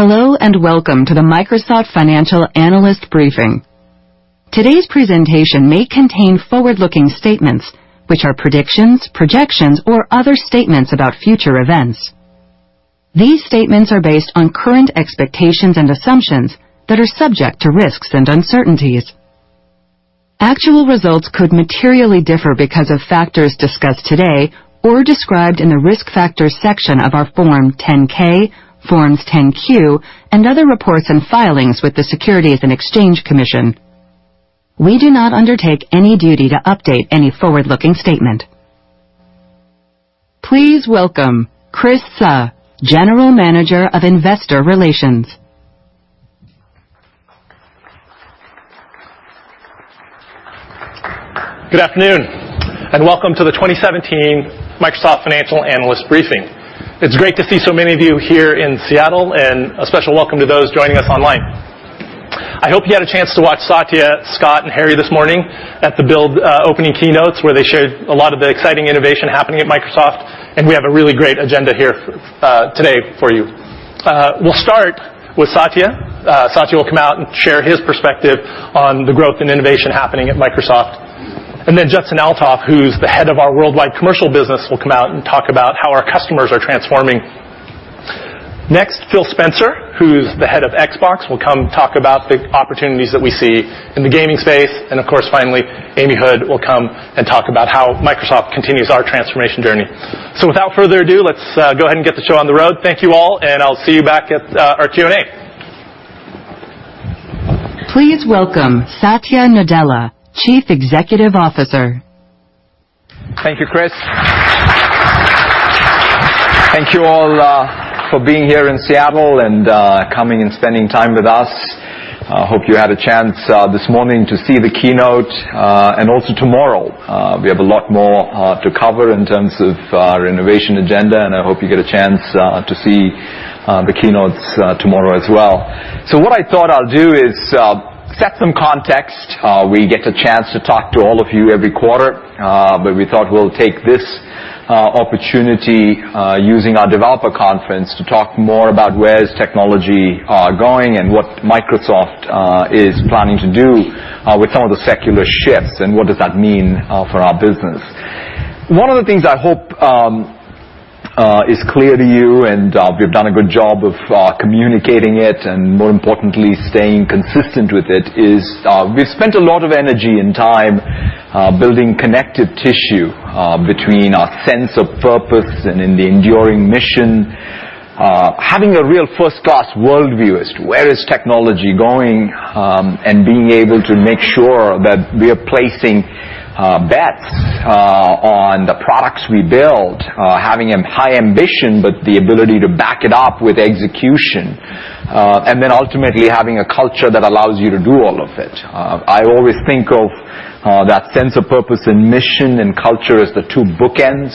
Hello, welcome to the Microsoft Financial Analyst Briefing. Today's presentation may contain forward-looking statements, which are predictions, projections, or other statements about future events. These statements are based on current expectations and assumptions that are subject to risks and uncertainties. Actual results could materially differ because of factors discussed today or described in the Risk Factors section of our Form 10-K, Forms 10-Q, and other reports and filings with the Securities and Exchange Commission. We do not undertake any duty to update any forward-looking statement. Please welcome Chris Suh, General Manager of Investor Relations. Good afternoon, welcome to the 2017 Microsoft Financial Analyst Briefing. It's great to see so many of you here in Seattle and a special welcome to those joining us online. I hope you had a chance to watch Satya, Scott, and Harry this morning at the Build opening keynotes, where they shared a lot of the exciting innovation happening at Microsoft, we have a really great agenda here today for you. We'll start with Satya. Satya will come out and share his perspective on the growth and innovation happening at Microsoft. Then Judson Althoff, who's the head of our Worldwide Commercial Business, will come out and talk about how our customers are transforming. Phil Spencer, who's the head of Xbox, will come talk about the opportunities that we see in the gaming space. Of course, finally, Amy Hood will come and talk about how Microsoft continues our transformation journey. Without further ado, let's go ahead and get the show on the road. Thank you all, I'll see you back at our Q&A. Please welcome Satya Nadella, Chief Executive Officer. Thank you, Chris. Thank you all for being here in Seattle and coming and spending time with us. I hope you had a chance this morning to see the keynote, and also tomorrow. We have a lot more to cover in terms of our innovation agenda, and I hope you get a chance to see the keynotes tomorrow as well. What I thought I'll do is set some context. We get a chance to talk to all of you every quarter, but we thought we'll take this opportunity using our developer conference to talk more about where is technology going and what Microsoft is planning to do with some of the secular shifts and what does that mean for our business. One of the things I hope is clear to you, and we've done a good job of communicating it and more importantly, staying consistent with it, is we've spent a lot of energy and time building connective tissue between our sense of purpose and in the enduring mission. Having a real first-class worldview as to where is technology going, and being able to make sure that we are placing bets on the products we build, having a high ambition, but the ability to back it up with execution. Ultimately having a culture that allows you to do all of it. I always think of that sense of purpose and mission and culture as the two bookends.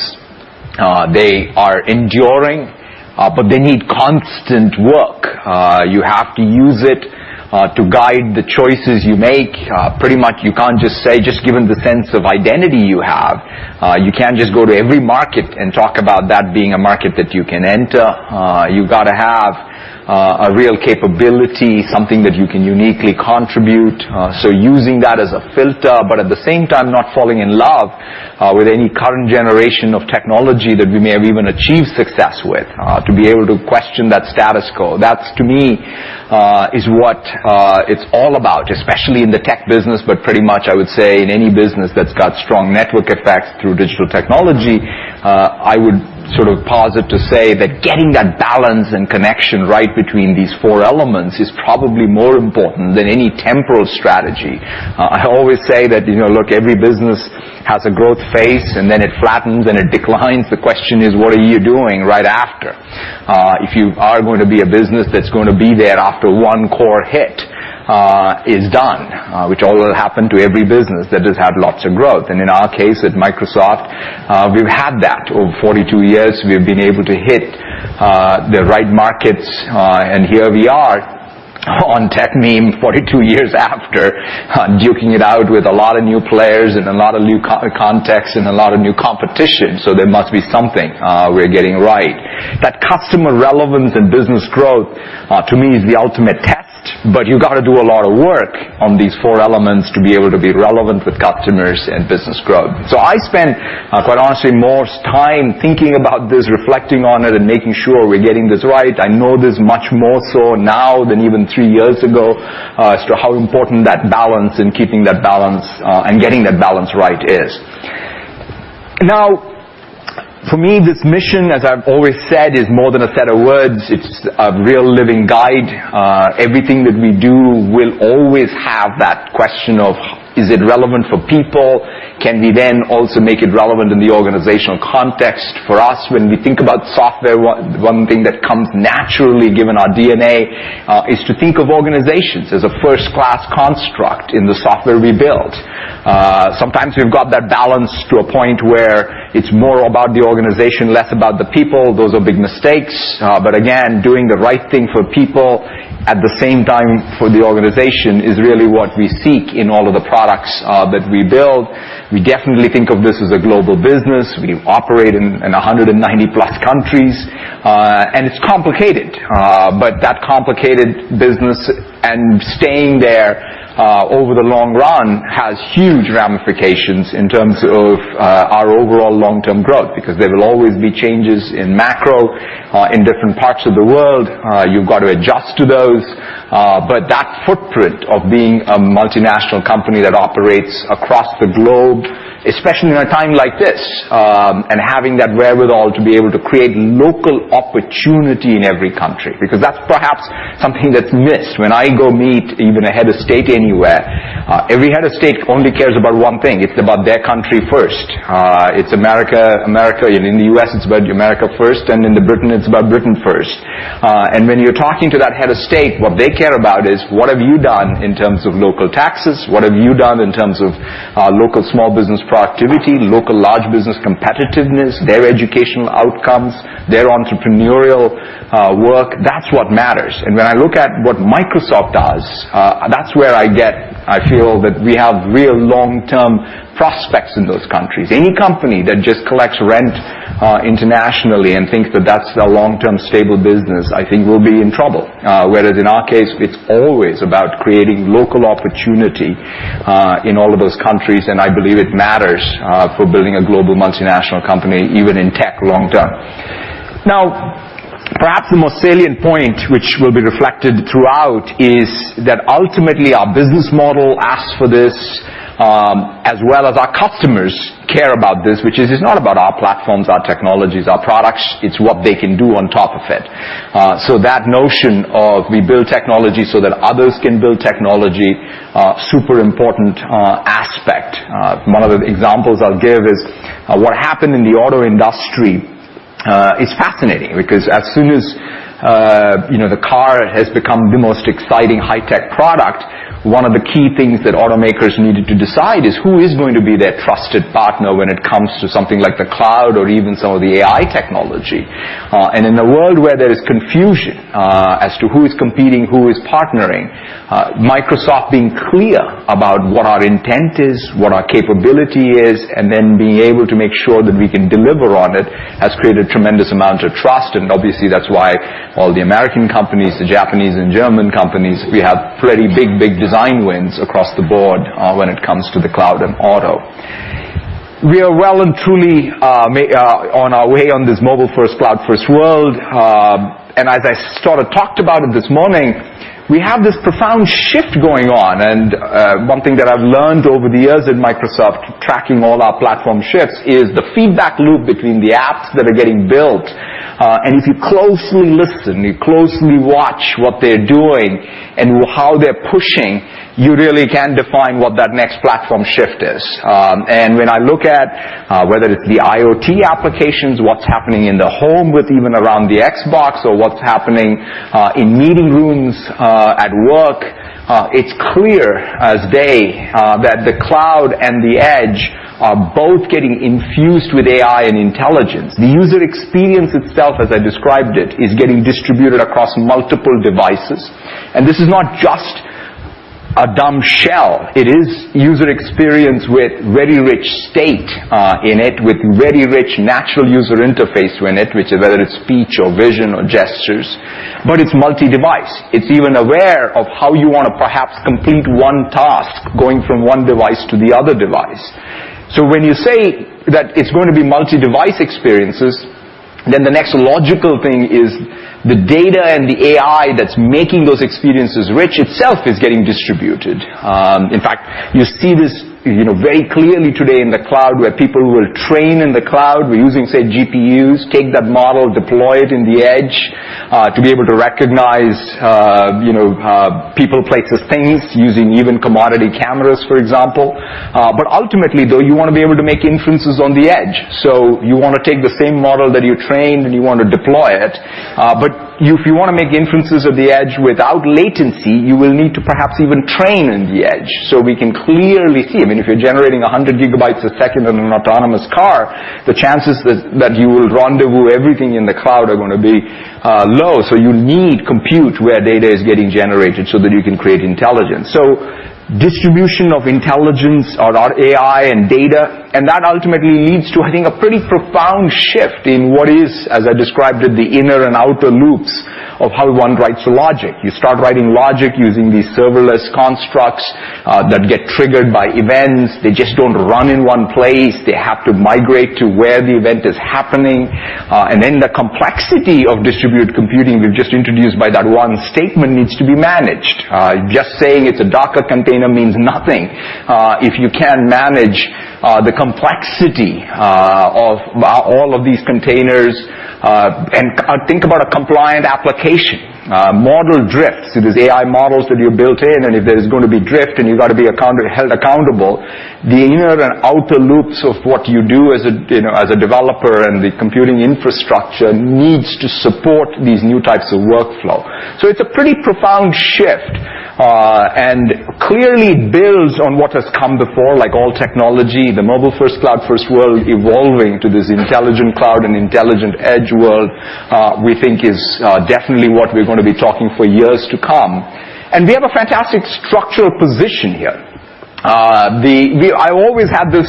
They are enduring, but they need constant work. You have to use it to guide the choices you make. Pretty much you can't just say, just given the sense of identity you have, you can't just go to every market and talk about that being a market that you can enter. You've got to have a real capability, something that you can uniquely contribute. Using that as a filter, but at the same time, not falling in love with any current generation of technology that we may have even achieved success with, to be able to question that status quo. That, to me, is what it's all about, especially in the tech business, but pretty much I would say in any business that's got strong network effects through digital technology. I would sort of posit to say that getting that balance and connection right between these four elements is probably more important than any temporal strategy. I always say that, look, every business has a growth phase, and then it flattens and it declines. The question is, what are you doing right after? If you are going to be a business that's going to be there after one core hit is done, which all will happen to every business that has had lots of growth. In our case, at Microsoft, we've had that. Over 42 years, we've been able to hit the right markets, and here we are on Techmeme 42 years after, duking it out with a lot of new players and a lot of new contexts and a lot of new competition, so there must be something we're getting right. That customer relevance and business growth, to me, is the ultimate test, you've got to do a lot of work on these four elements to be able to be relevant with customers and business growth. I spend, quite honestly, more time thinking about this, reflecting on it, and making sure we're getting this right. I know this much more so now than even three years ago as to how important that balance and keeping that balance and getting that balance right is. For me, this mission, as I've always said, is more than a set of words. It's a real living guide. Everything that we do will always have that question of is it relevant for people? Can we then also make it relevant in the organizational context? For us, when we think about software, one thing that comes naturally given our DNA, is to think of organizations as a first-class construct in the software we build. Sometimes we've got that balance to a point where it's more about the organization, less about the people. Those are big mistakes. Again, doing the right thing for people At the same time, for the organization, is really what we seek in all of the products that we build. We definitely think of this as a global business. We operate in 190-plus countries. It's complicated, but that complicated business and staying there over the long run has huge ramifications in terms of our overall long-term growth, because there will always be changes in macro in different parts of the world. You've got to adjust to those. That footprint of being a multinational company that operates across the globe, especially in a time like this, and having that wherewithal to be able to create local opportunity in every country, because that's perhaps something that's missed. When I go meet even a head of state anywhere, every head of state only cares about one thing. It's about their country first. It's America, and in the U.S., it's about America first, and in Britain, it's about Britain first. When you're talking to that head of state, what they care about is what have you done in terms of local taxes, what have you done in terms of local small business productivity, local large business competitiveness, their educational outcomes, their entrepreneurial work. That's what matters. When I look at what Microsoft does, that's where I feel that we have real long-term prospects in those countries. Any company that just collects rent internationally and thinks that that's their long-term stable business, I think will be in trouble. Whereas in our case, it's always about creating local opportunity in all of those countries, and I believe it matters for building a global multinational company, even in tech long term. Perhaps the most salient point which will be reflected throughout is that ultimately our business model asks for this, as well as our customers care about this, which is it's not about our platforms, our technologies, our products, it's what they can do on top of it. That notion of we build technology so that others can build technology, super important aspect. One of the examples I'll give is what happened in the auto industry. It's fascinating because as soon as the car has become the most exciting high-tech product, one of the key things that automakers needed to decide is who is going to be their trusted partner when it comes to something like the cloud or even some of the AI technology. In a world where there is confusion as to who is competing, who is partnering, Microsoft being clear about what our intent is, what our capability is, and then being able to make sure that we can deliver on it has created a tremendous amount of trust. Obviously, that's why all the American companies, the Japanese and German companies, we have pretty big, big design wins across the board when it comes to the cloud and auto. We are well and truly on our way on this mobile-first, cloud-first world. As I sort of talked about it this morning, we have this profound shift going on. One thing that I've learned over the years at Microsoft, tracking all our platform shifts, is the feedback loop between the apps that are getting built. If you closely listen, you closely watch what they're doing and how they're pushing, you really can define what that next platform shift is. When I look at whether it's the IoT applications, what's happening in the home with even around the Xbox or what's happening in meeting rooms at work, it's clear as day that the cloud and the edge are both getting infused with AI and intelligence. The user experience itself, as I described it, is getting distributed across multiple devices. This is not just a dumb shell. It is user experience with very rich state in it, with very rich natural user interface in it, whether it's speech or vision or gestures, but it's multi-device. It's even aware of how you want to perhaps complete one task going from one device to the other device. When you say that it's going to be multi-device experiences, the next logical thing is the data and the AI that's making those experiences rich itself is getting distributed. In fact, you see this very clearly today in the cloud, where people will train in the cloud. We're using, say, GPUs, take that model, deploy it in the edge to be able to recognize people, places, things, using even commodity cameras, for example. Ultimately, though, you want to be able to make inferences on the edge. You want to take the same model that you trained, you want to deploy it. If you want to make inferences at the edge without latency, you will need to perhaps even train in the edge so we can clearly see. I mean, if you're generating 100 gigabytes a second in an autonomous car, the chances that you will rendezvous everything in the cloud are going to be low. You need compute where data is getting generated so that you can create intelligence. Distribution of intelligence or AI and data, that ultimately leads to, I think, a pretty profound shift in what is, as I described it, the inner and outer loops of how one writes logic. You start writing logic using these serverless constructs that get triggered by events. They just don't run in one place. They have to migrate to where the event is happening. The complexity of distributed computing we've just introduced by that one statement needs to be managed. Just saying it's a Docker container means nothing if you can't manage the complexity of all of these containers. Think about a compliant application. Model drifts. It is AI models that you built in, and if there's going to be drift and you got to be held accountable, the inner and outer loops of what you do as a developer and the computing infrastructure needs to support these new types of workflow. It's a pretty profound shift clearly builds on what has come before, like all technology, the mobile-first, cloud-first world evolving to this intelligent cloud and intelligent edge world, we think is definitely what we're going to be talking for years to come. We have a fantastic structural position here. I always had this,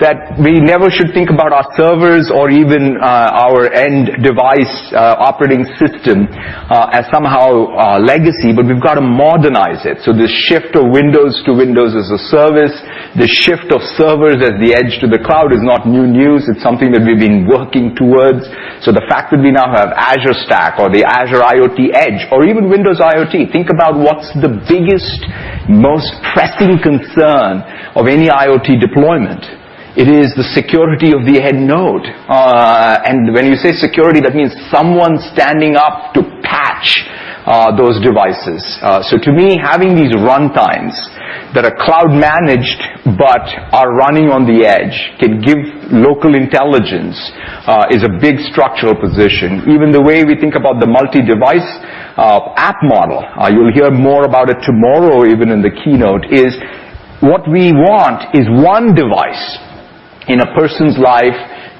that we never should think about our servers or even our end device operating system as somehow legacy, but we've got to modernize it. The shift of Windows to Windows as a service, the shift of servers at the edge to the cloud is not new news. It's something that we've been working towards. The fact that we now have Azure Stack or the Azure IoT Edge or even Windows IoT, think about what's the biggest, most pressing concern of any IoT deployment. It is the security of the end node. When you say security, that means someone standing up to patch those devices. To me, having these runtimes that are cloud-managed but are running on the edge can give local intelligence, is a big structural position. Even the way we think about the multi-device app model, you'll hear more about it tomorrow even in the keynote, is what we want is one device in a person's life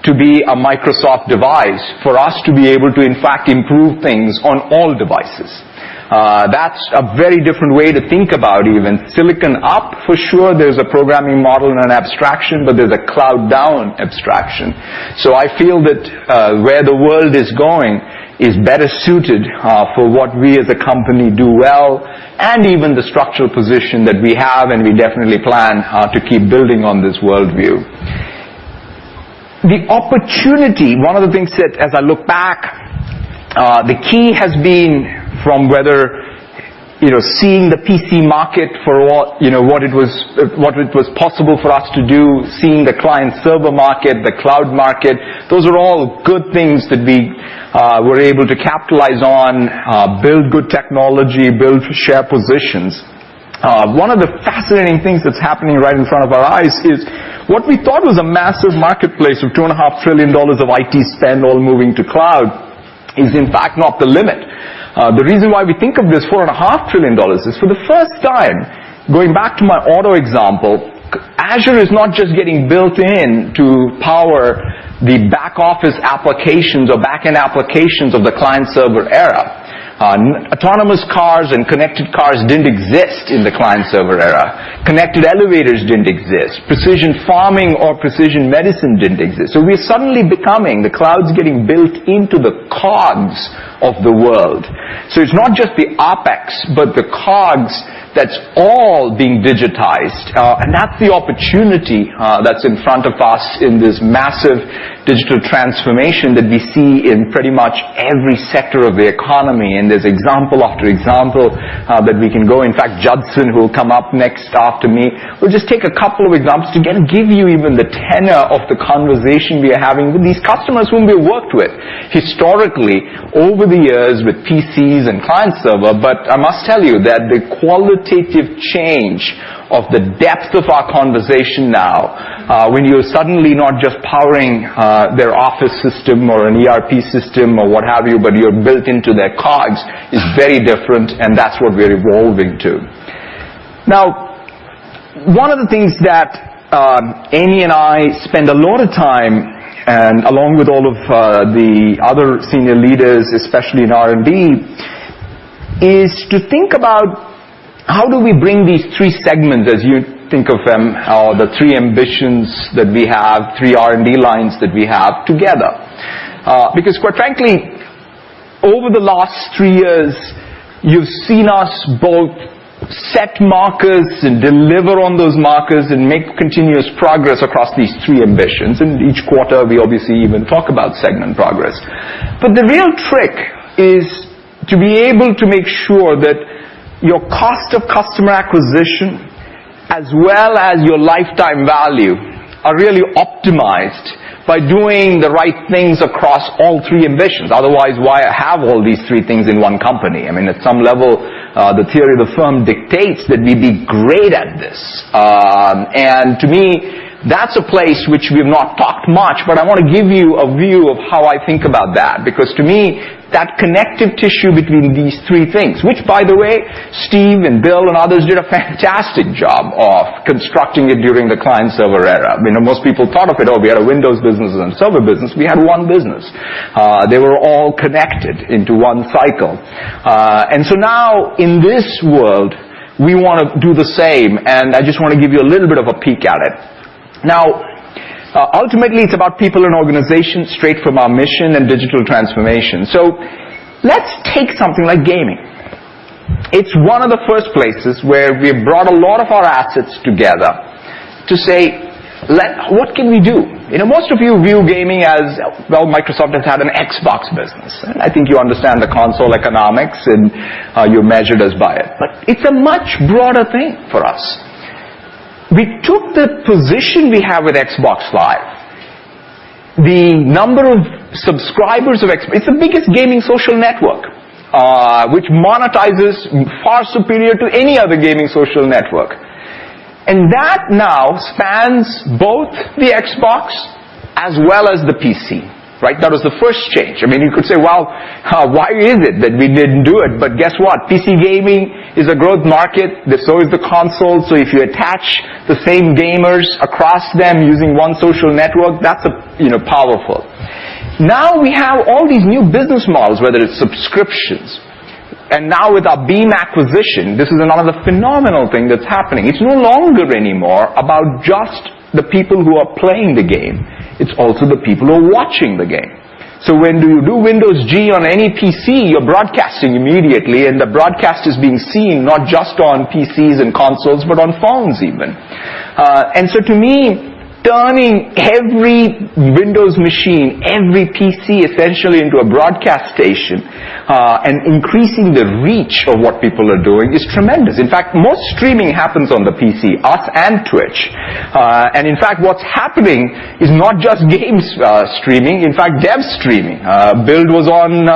to be a Microsoft device, for us to be able to, in fact, improve things on all devices. That's a very different way to think about even. Silicon up, for sure, there's a programming model and an abstraction, but there's a cloud down abstraction. I feel that where the world is going is better suited for what we as a company do well, and even the structural position that we have, and we definitely plan to keep building on this worldview. The opportunity, one of the things that as I look back, the key has been from whether seeing the PC market for what it was possible for us to do, seeing the client server market, the cloud market, those are all good things that we were able to capitalize on, build good technology, build share positions. One of the fascinating things that's happening right in front of our eyes is what we thought was a massive marketplace of $2.5 trillion of IT spend all moving to cloud is in fact not the limit. The reason why we think of this $4.5 trillion is for the first time, going back to my auto example, Azure is not just getting built in to power the back office applications or back-end applications of the client server era. Autonomous cars and connected cars didn't exist in the client server era. Connected elevators didn't exist. Precision farming or precision medicine didn't exist. The cloud's getting built into the cogs of the world. It's not just the OpEx, but the cogs that's all being digitized. That's the opportunity that's in front of us in this massive digital transformation that we see in pretty much every sector of the economy, and there's example after example that we can go. In fact, Judson, who will come up next after me, will just take a couple of examples to give you even the tenor of the conversation we are having with these customers whom we worked with historically over the years with PCs and client server. I must tell you that the qualitative change of the depth of our conversation now, when you're suddenly not just powering their office system or an ERP system or what have you, but you're built into their cogs, is very different, and that's what we're evolving to. One of the things that Amy and I spend a lot of time, and along with all of the other senior leaders, especially in R&D, is to think about how do we bring these three segments as you think of them, the three ambitions that we have, three R&D lines that we have together. Quite frankly, over the last three years, you've seen us both set markers and deliver on those markers and make continuous progress across these three ambitions. Each quarter, we obviously even talk about segment progress. The real trick is to be able to make sure that your cost of customer acquisition as well as your lifetime value are really optimized by doing the right things across all three ambitions. Otherwise, why have all these three things in one company? I mean, at some level, the theory of the firm dictates that we'd be great at this. To me, that's a place which we've not talked much, but I want to give you a view of how I think about that, because to me, that connective tissue between these three things, which, by the way, Steve and Bill and others did a fantastic job of constructing it during the client server era. Most people thought of it, oh, we had a Windows business and a server business. We had one business. They were all connected into one cycle. In this world, we want to do the same, and I just want to give you a little bit of a peek at it. Ultimately, it's about people and organization straight from our mission and digital transformation. Let's take something like gaming. It's one of the first places where we brought a lot of our assets together to say, what can we do? Most of you view gaming as, well, Microsoft has had an Xbox business, and I think you understand the console economics and you measured us by it. But it's a much broader thing for us. We took the position we have with Xbox Live. The number of subscribers of Xbox. It's the biggest gaming social network, which monetizes far superior to any other gaming social network. That now spans both the Xbox as well as the PC. That was the first change. Guess what? PC gaming is a growth market. Is the console. If you attach the same gamers across them using one social network, that's powerful. Now we have all these new business models, whether it's subscriptions, now with our Beam acquisition, this is another phenomenal thing that's happening. It's no longer anymore about just the people who are playing the game, it's also the people who are watching the game. When you do Windows G on any PC, you're broadcasting immediately, and the broadcast is being seen not just on PCs and consoles, but on phones even. To me, turning every Windows machine, every PC, essentially, into a broadcast station, and increasing the reach of what people are doing is tremendous. In fact, most streaming happens on the PC, us and Twitch. In fact, what's happening is not just games streaming, in fact, dev streaming. Build was on,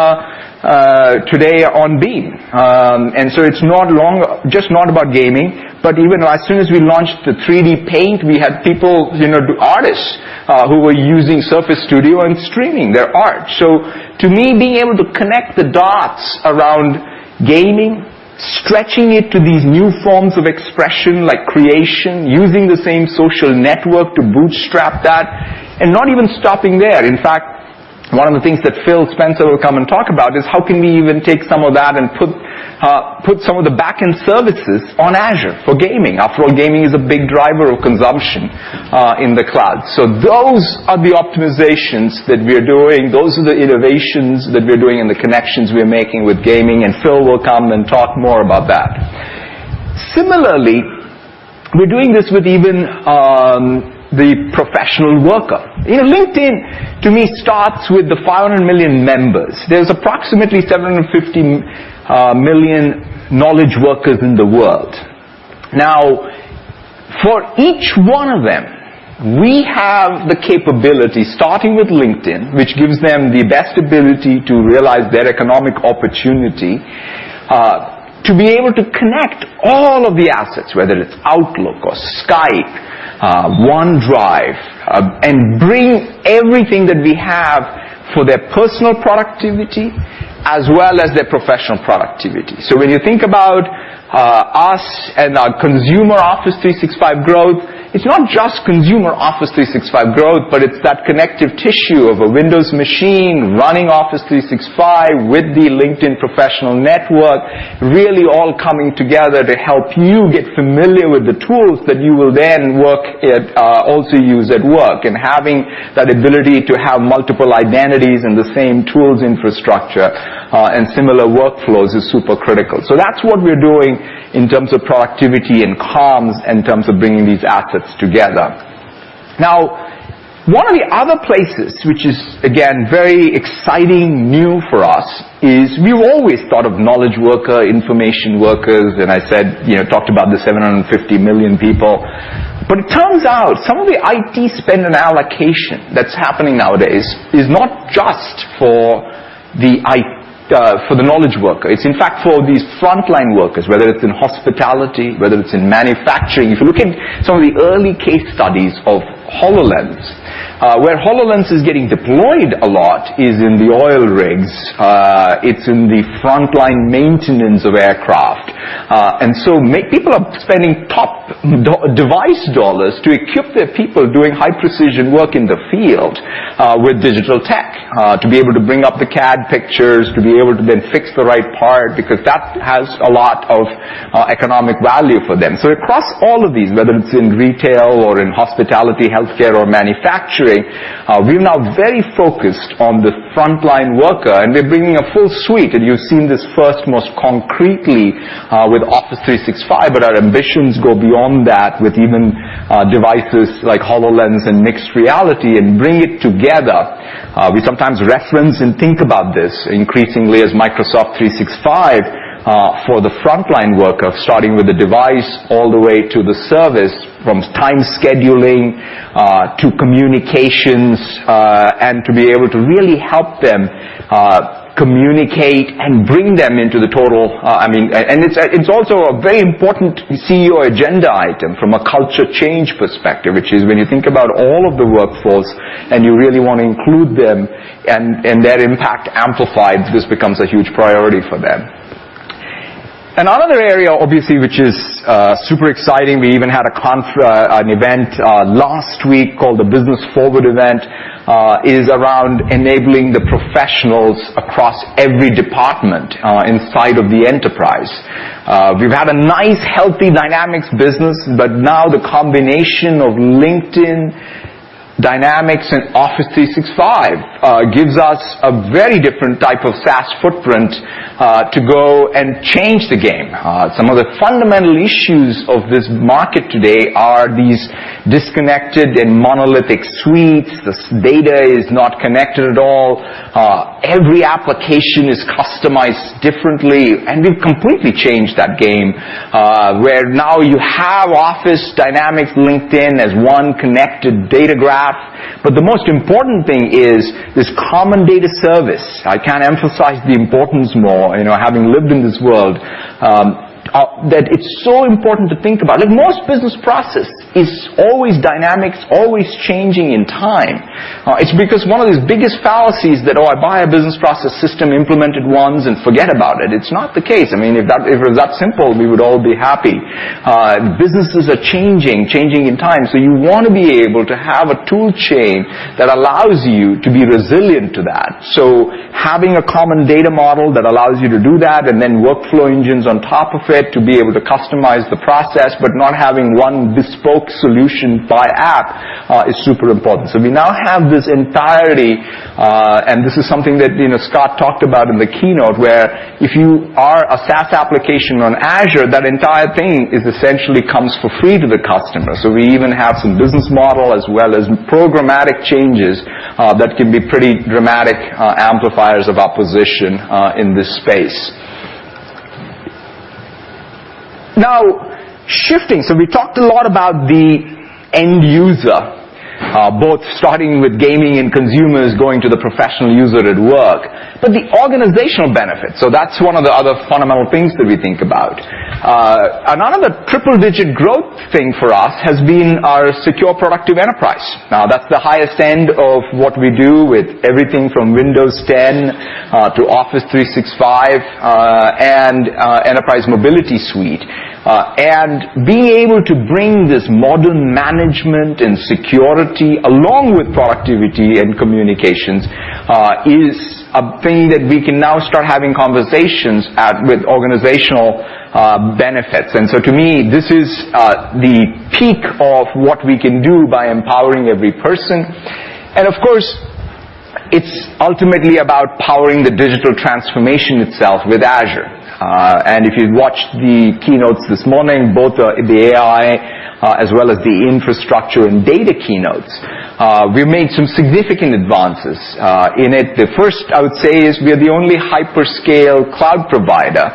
today on Beam. It's not long, just not about gaming, but even as soon as we launched the Paint 3D, we had people, artists, who were using Surface Studio and streaming their art. To me, being able to connect the dots around gaming, stretching it to these new forms of expression like creation, using the same social network to bootstrap that, not even stopping there. In fact, one of the things that Phil Spencer will come and talk about is how can we even take some of that and put some of the backend services on Azure for gaming. After all, gaming is a big driver of consumption in the cloud. Those are the optimizations that we're doing. Those are the innovations that we're doing, the connections we're making with gaming, Phil will come and talk more about that. Similarly, we're doing this with even the professional worker. LinkedIn, to me, starts with the 500 million members. There's approximately 750 million knowledge workers in the world. For each one of them, we have the capability, starting with LinkedIn, which gives them the best ability to realize their economic opportunity, to be able to connect all of the assets, whether it's Outlook or Skype, OneDrive, bring everything that we have for their personal productivity as well as their professional productivity. When you think about us and our consumer Office 365 growth, it's not just consumer Office 365 growth, but it's that connective tissue of a Windows machine running Office 365 with the LinkedIn professional network, really all coming together to help you get familiar with the tools that you will then work at, also use at work. Having that ability to have multiple identities in the same tools infrastructure, and similar workflows is super critical. That's what we're doing in terms of productivity and comms, in terms of bringing these assets together. One of the other places, which is, again, very exciting, new for us, is we've always thought of knowledge worker, information workers, I said, talked about the 750 million people. It turns out, some of the IT spend and allocation that's happening nowadays is not just for the knowledge worker. It's in fact for these frontline workers, whether it's in hospitality, whether it's in manufacturing. If you look at some of the early case studies of HoloLens, where HoloLens is getting deployed a lot is in the oil rigs. It's in the frontline maintenance of aircraft. Many people are spending top device dollars to equip their people doing high-precision work in the field, with digital tech, to be able to bring up the CAD pictures, to be able to then fix the right part, because that has a lot of economic value for them. Across all of these, whether it's in retail or in hospitality, healthcare, or manufacturing, we're now very focused on the frontline worker, and we're bringing a full suite. You've seen this first most concretely, with Office 365. Our ambitions go beyond that with even devices like HoloLens and mixed reality and bring it together. We sometimes reference and think about this increasingly as Microsoft 365, for the frontline worker, starting with the device all the way to the service, from time scheduling, to communications, and to be able to really help them communicate. It's also a very important CEO agenda item from a culture change perspective, which is when you think about all of the workforce and you really want to include them and their impact amplified, this becomes a huge priority for them. Another area, obviously, which is super exciting, we even had an event last week called the Business Forward Event, is around enabling the professionals across every department inside of the enterprise. We've had a nice, healthy Dynamics business, but now the combination of LinkedIn, Dynamics, and Office 365 gives us a very different type of SaaS footprint to go and change the game. Some of the fundamental issues of this market today are these disconnected and monolithic suites. This data is not connected at all. Every application is customized differently. We've completely changed that game, where now you have Office, Dynamics, LinkedIn as one connected data graph. The most important thing is this Common Data Service. I can't emphasize the importance more, having lived in this world, that it's so important to think about. Most business process is always dynamic, always changing in time. It's because one of these biggest fallacies that I buy a business process system, implement it once, and forget about it. It's not the case. If it was that simple, we would all be happy. Businesses are changing in time. You want to be able to have a tool chain that allows you to be resilient to that. Having a Common Data Model that allows you to do that, and then workflow engines on top of it to be able to customize the process, but not having one bespoke solution by app, is super important. We now have this entirety, and this is something that Scott talked about in the keynote, where if you are a SaaS application on Azure, that entire thing is essentially comes for free to the customer. We even have some business model as well as programmatic changes that can be pretty dramatic amplifiers of our position in this space. We talked a lot about the end user, both starting with gaming and consumers going to the professional user at work. The organizational benefits. That's one of the other fundamental things that we think about. Another triple-digit growth thing for us has been our Secure Productive Enterprise. That's the highest end of what we do with everything from Windows 10 to Office 365 and Enterprise Mobility Suite. Being able to bring this modern management and security along with productivity and communications is a thing that we can now start having conversations at with organizational benefits. To me, this is the peak of what we can do by empowering every person. Of course, it's ultimately about powering the digital transformation itself with Azure. If you watched the keynotes this morning, both the AI as well as the infrastructure and data keynotes, we made some significant advances in it. The first, I would say, is we are the only hyperscale cloud provider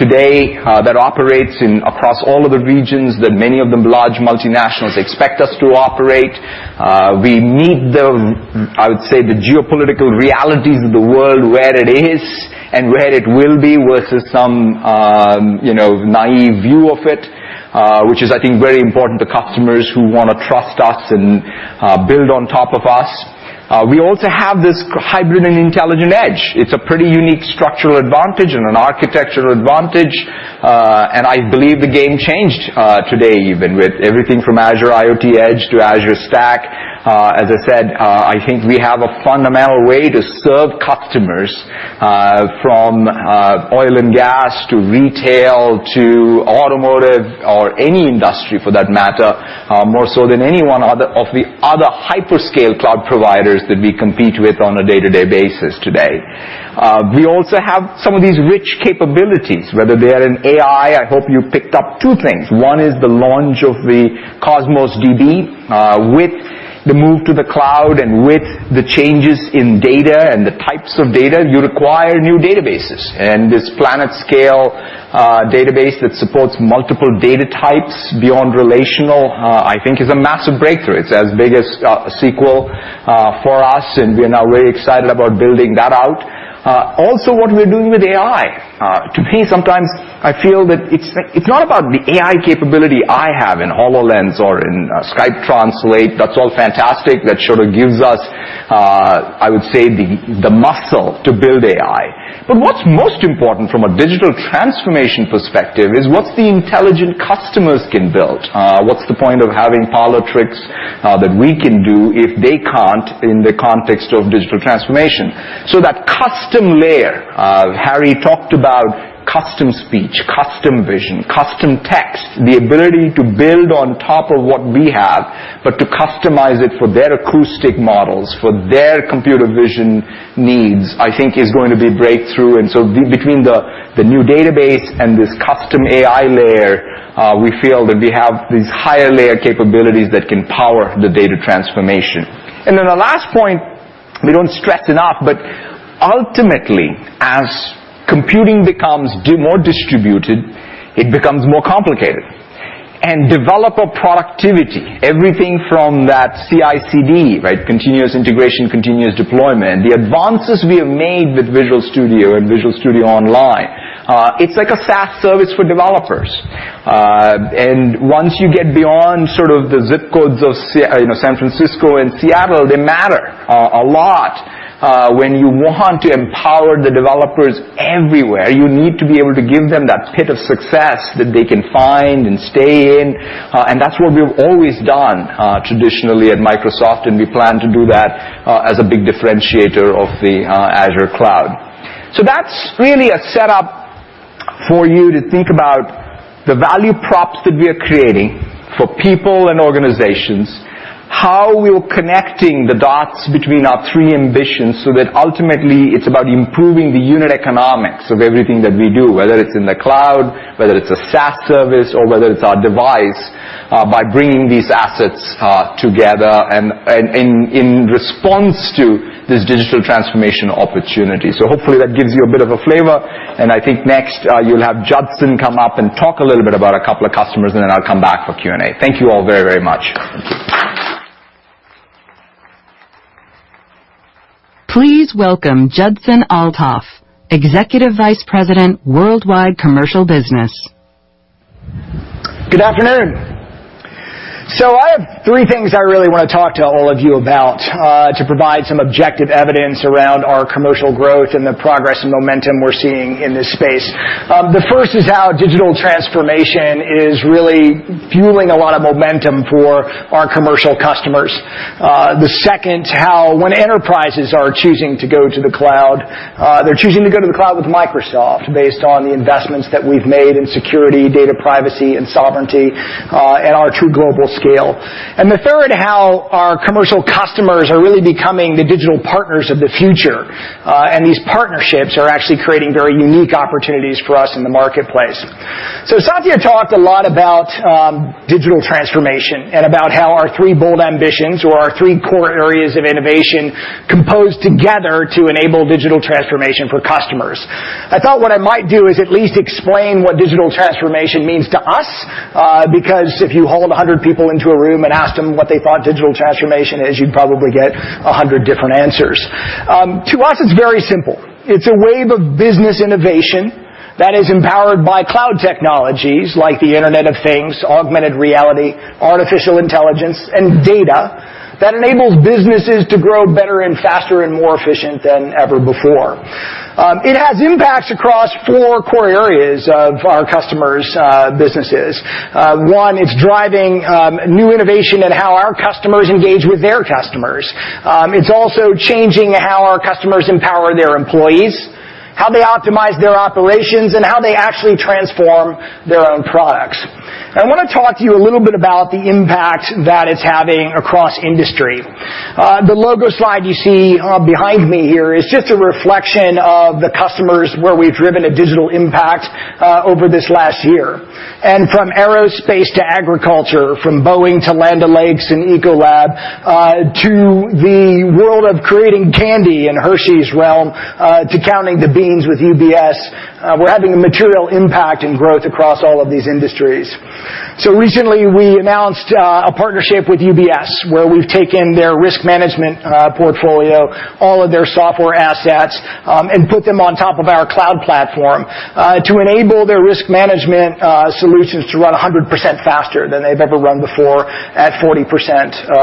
today that operates across all of the regions that many of the large multinationals expect us to operate. We meet the, I would say, the geopolitical realities of the world where it is and where it will be versus some naïve view of it, which is, I think, very important to customers who want to trust us and build on top of us. We also have this hybrid and intelligent edge. It's a pretty unique structural advantage and an architectural advantage. I believe the game changed today even with everything from Azure IoT Edge to Azure Stack. As I said, I think we have a fundamental way to serve customers, from oil and gas to retail, to automotive or any industry for that matter, more so than any one of the other hyperscale cloud providers that we compete with on a day-to-day basis today. We also have some of these rich capabilities, whether they are in AI. I hope you picked up two things. One is the launch of the Cosmos DB. With the move to the cloud and with the changes in data and the types of data, you require new databases. This planet-scale database that supports multiple data types beyond relational, I think is a massive breakthrough. It's as big as SQL for us, and we're now very excited about building that out. Also, what we're doing with AI. To me, sometimes I feel that it's not about the AI capability I have in HoloLens or in Skype Translator. That's all fantastic. That sort of gives us, I would say, the muscle to build AI. What's most important from a digital transformation perspective is what the intelligent customers can build. What's the point of having parlor tricks that we can do if they can't in the context of digital transformation? That custom layer. Harry talked about Custom Speech, Custom Vision, Custom Text, the ability to build on top of what we have, but to customize it for their acoustic models, for their computer vision needs, I think is going to be a breakthrough. Between the new database and this custom AI layer, we feel that we have these higher layer capabilities that can power the data transformation. The last point, we don't stress enough, ultimately, as computing becomes more distributed, it becomes more complicated. Developer productivity, everything from that CI/CD, right? Continuous integration, continuous deployment, the advances we have made with Visual Studio and Visual Studio Online, it's like a SaaS service for developers. Once you get beyond sort of the ZIP codes of San Francisco and Seattle, they matter a lot. When you want to empower the developers everywhere, you need to be able to give them that pit of success that they can find and stay in. That's what we've always done traditionally at Microsoft, and we plan to do that as a big differentiator of the Azure cloud. That's really a setup for you to think about the value props that we're creating for people and organizations, how we're connecting the dots between our three ambitions that ultimately it's about improving the unit economics of everything that we do, whether it's in the cloud, whether it's a SaaS service, or whether it's our device, by bringing these assets together and in response to this digital transformation opportunity. Hopefully that gives you a bit of a flavor, and I think next, you'll have Judson come up and talk a little bit about a couple of customers, and then I'll come back for Q&A. Thank you all very much. Please welcome Judson Althoff, Executive Vice President, Worldwide Commercial Business. Good afternoon. I have three things I really want to talk to all of you about to provide some objective evidence around our commercial growth and the progress and momentum we're seeing in this space. The first is how digital transformation is really fueling a lot of momentum for our commercial customers. The second, how when enterprises are choosing to go to the cloud, they're choosing to go to the cloud with Microsoft based on the investments that we've made in security, data privacy, and sovereignty, and our true global scale. The third, how our commercial customers are really becoming the digital partners of the future, and these partnerships are actually creating very unique opportunities for us in the marketplace. Satya talked a lot about digital transformation and about how our three bold ambitions, or our three core areas of innovation, compose together to enable digital transformation for customers. I thought what I might do is at least explain what digital transformation means to us, because if you hauled 100 people into a room and asked them what they thought digital transformation is, you'd probably get 100 different answers. To us, it's very simple. It's a wave of business innovation that is empowered by cloud technologies like the Internet of Things, augmented reality, artificial intelligence, and data that enables businesses to grow better and faster and more efficient than ever before. It has impacts across four core areas of our customers' businesses. One, it's driving new innovation in how our customers engage with their customers. It's also changing how our customers empower their employees, how they optimize their operations, and how they actually transform their own products. I want to talk to you a little bit about the impact that it's having across industry. The logo slide you see behind me here is just a reflection of the customers where we've driven a digital impact over this last year. From aerospace to agriculture, from Boeing to Land O'Lakes and Ecolab, to the world of creating candy in Hershey's realm, to counting the beans with UBS, we're having a material impact in growth across all of these industries. Recently, we announced a partnership with UBS where we've taken their risk management portfolio, all of their software assets, and put them on top of our cloud platform to enable their risk management solutions to run 100% faster than they've ever run before at 40%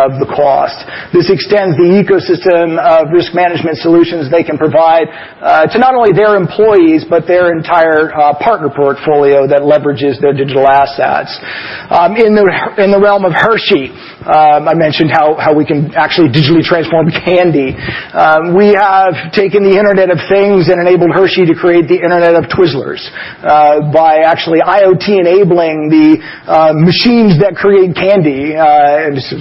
of the cost. This extends the ecosystem of risk management solutions they can provide to not only their employees, but their entire partner portfolio that leverages their digital assets. In the realm of Hershey, I mentioned how we can actually digitally transform candy. We have taken the Internet of Things and enabled Hershey to create the Internet of Twizzlers by actually IoT enabling the machines that create candy,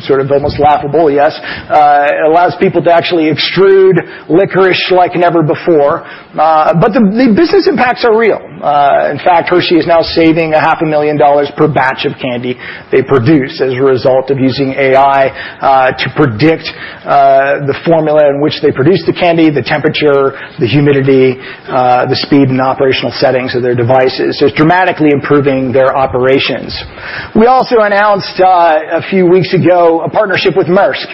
sort of almost laughable, yes. It allows people to actually extrude licorice like never before. The business impacts are real. In fact, Hershey is now saving a half a million dollars per batch of candy they produce as a result of using AI to predict the formula in which they produce the candy, the temperature, the humidity, the speed and operational settings of their devices. It's dramatically improving their operations. We also announced a few weeks ago a partnership with Maersk.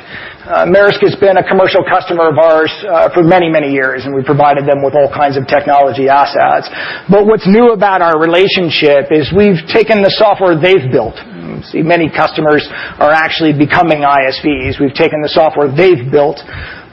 Maersk has been a commercial customer of ours for many, many years, and we've provided them with all kinds of technology assets. What's new about our relationship is we've taken the software they've built. See, many customers are actually becoming ISVs. We've taken the software they've built,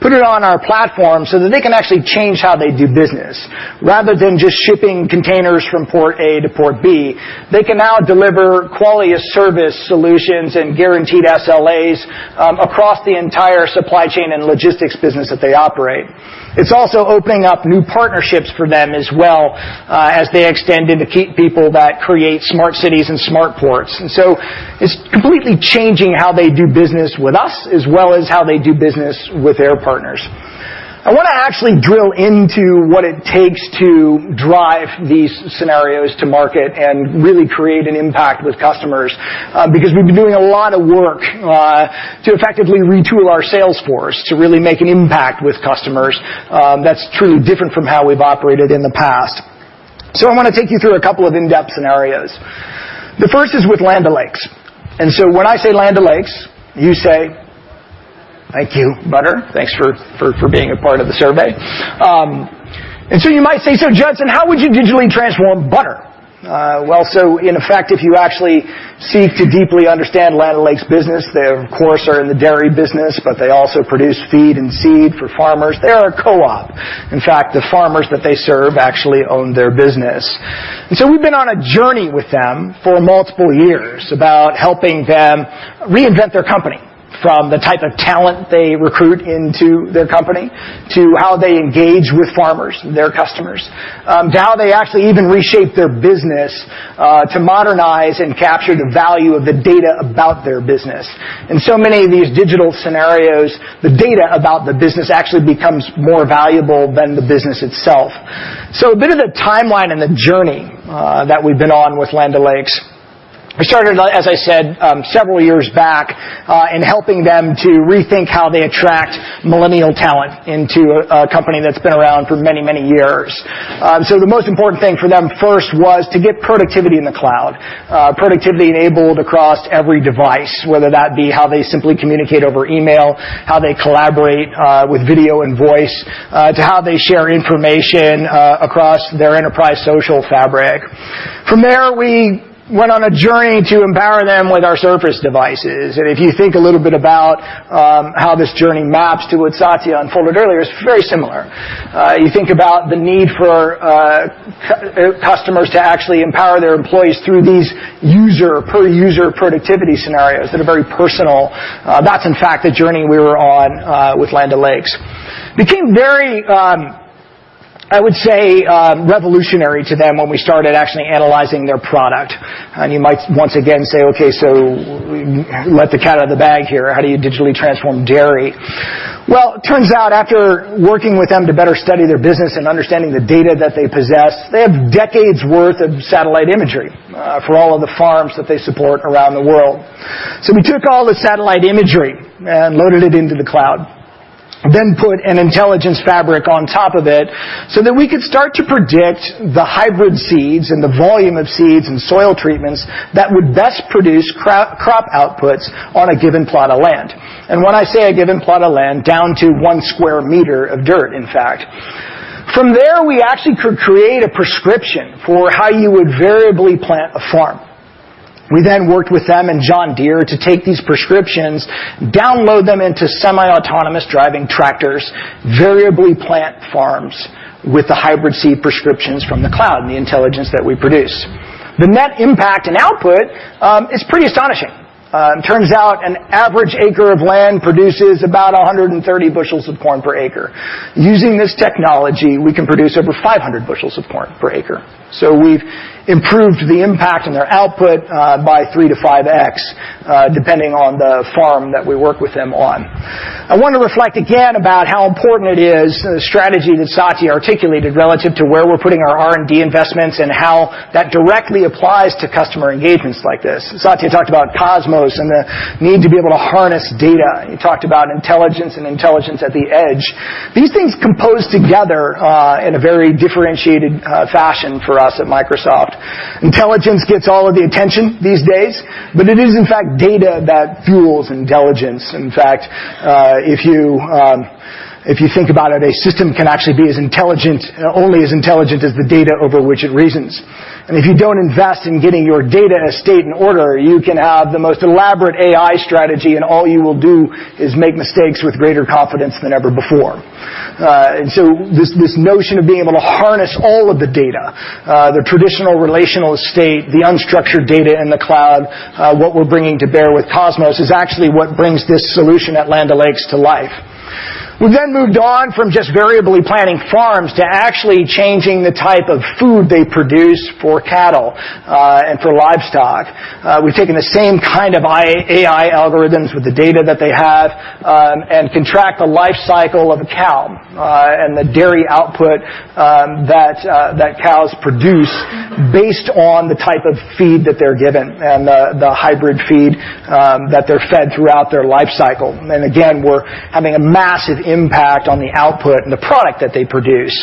put it on our platform so that they can actually change how they do business. Rather than just shipping containers from port A to port B, they can now deliver quality of service solutions and guaranteed SLAs across the entire supply chain and logistics business that they operate. It's also opening up new partnerships for them as well as they extend into people that create smart cities and smart ports. It's completely changing how they do business with us, as well as how they do business with their partners. I want to actually drill into what it takes to drive these scenarios to market and really create an impact with customers, because we've been doing a lot of work to effectively retool our sales force to really make an impact with customers that's truly different from how we've operated in the past. I want to take you through a couple of in-depth scenarios. The first is with Land O'Lakes. When I say Land O'Lakes, you say Thank you, butter. Thanks for being a part of the survey. You might say, "Judson, how would you digitally transform butter?" Well, in effect, if you actually seek to deeply understand Land O'Lakes' business, they of course, are in the dairy business, but they also produce feed and seed for farmers. They are a co-op. In fact, the farmers that they serve actually own their business. We've been on a journey with them for multiple years about helping them reinvent their company from the type of talent they recruit into their company, to how they engage with farmers, their customers, to how they actually even reshape their business to modernize and capture the value of the data about their business. In so many of these digital scenarios, the data about the business actually becomes more valuable than the business itself. A bit of the timeline and the journey that we've been on with Land O'Lakes We started, as I said, several years back in helping them to rethink how they attract millennial talent into a company that's been around for many years. The most important thing for them first was to get productivity in the cloud, productivity enabled across every device, whether that be how they simply communicate over email, how they collaborate with video and voice, to how they share information across their enterprise social fabric. From there, we went on a journey to empower them with our Surface devices. If you think a little bit about how this journey maps to what Satya unfolded earlier, it's very similar. You think about the need for customers to actually empower their employees through these per user productivity scenarios that are very personal. That's in fact the journey we were on with Land O'Lakes. Became very, I would say, revolutionary to them when we started actually analyzing their product. You might once again say, okay, let the cat out of the bag here, how do you digitally transform dairy? Well, it turns out after working with them to better study their business and understanding the data that they possess, they have decades worth of satellite imagery for all of the farms that they support around the world. We took all the satellite imagery and loaded it into the cloud, then put an intelligence fabric on top of it so that we could start to predict the hybrid seeds and the volume of seeds and soil treatments that would best produce crop outputs on a given plot of land. When I say a given plot of land, down to one square meter of dirt, in fact. From there, we actually could create a prescription for how you would variably plant a farm. We then worked with them and John Deere to take these prescriptions, download them into semi-autonomous driving tractors, variably plant farms with the hybrid seed prescriptions from the cloud and the intelligence that we produce. The net impact and output is pretty astonishing. It turns out an average acre of land produces about 130 bushels of corn per acre. We've improved the impact on their output by 3 to 5x, depending on the farm that we work with them on. I want to reflect again about how important it is, the strategy that Satya articulated relative to where we're putting our R&D investments and how that directly applies to customer engagements like this. Satya talked about Cosmos and the need to be able to harness data. He talked about intelligence and intelligence at the edge. These things compose together in a very differentiated fashion for us at Microsoft. Intelligence gets all of the attention these days, but it is in fact data that fuels intelligence. In fact, if you think about it, a system can actually be only as intelligent as the data over which it reasons. If you don't invest in getting your data estate in order, you can have the most elaborate AI strategy, and all you will do is make mistakes with greater confidence than ever before. This notion of being able to harness all of the data, the traditional relational estate, the unstructured data in the cloud, what we're bringing to bear with Cosmos is actually what brings this solution at Land O'Lakes to life. We then moved on from just variably planting farms to actually changing the type of food they produce for cattle and for livestock. We've taken the same kind of AI algorithms with the data that they have and can track the life cycle of a cow and the dairy output that cows produce based on the type of feed that they're given and the hybrid feed that they're fed throughout their life cycle. Again, we're having a massive impact on the output and the product that they produce.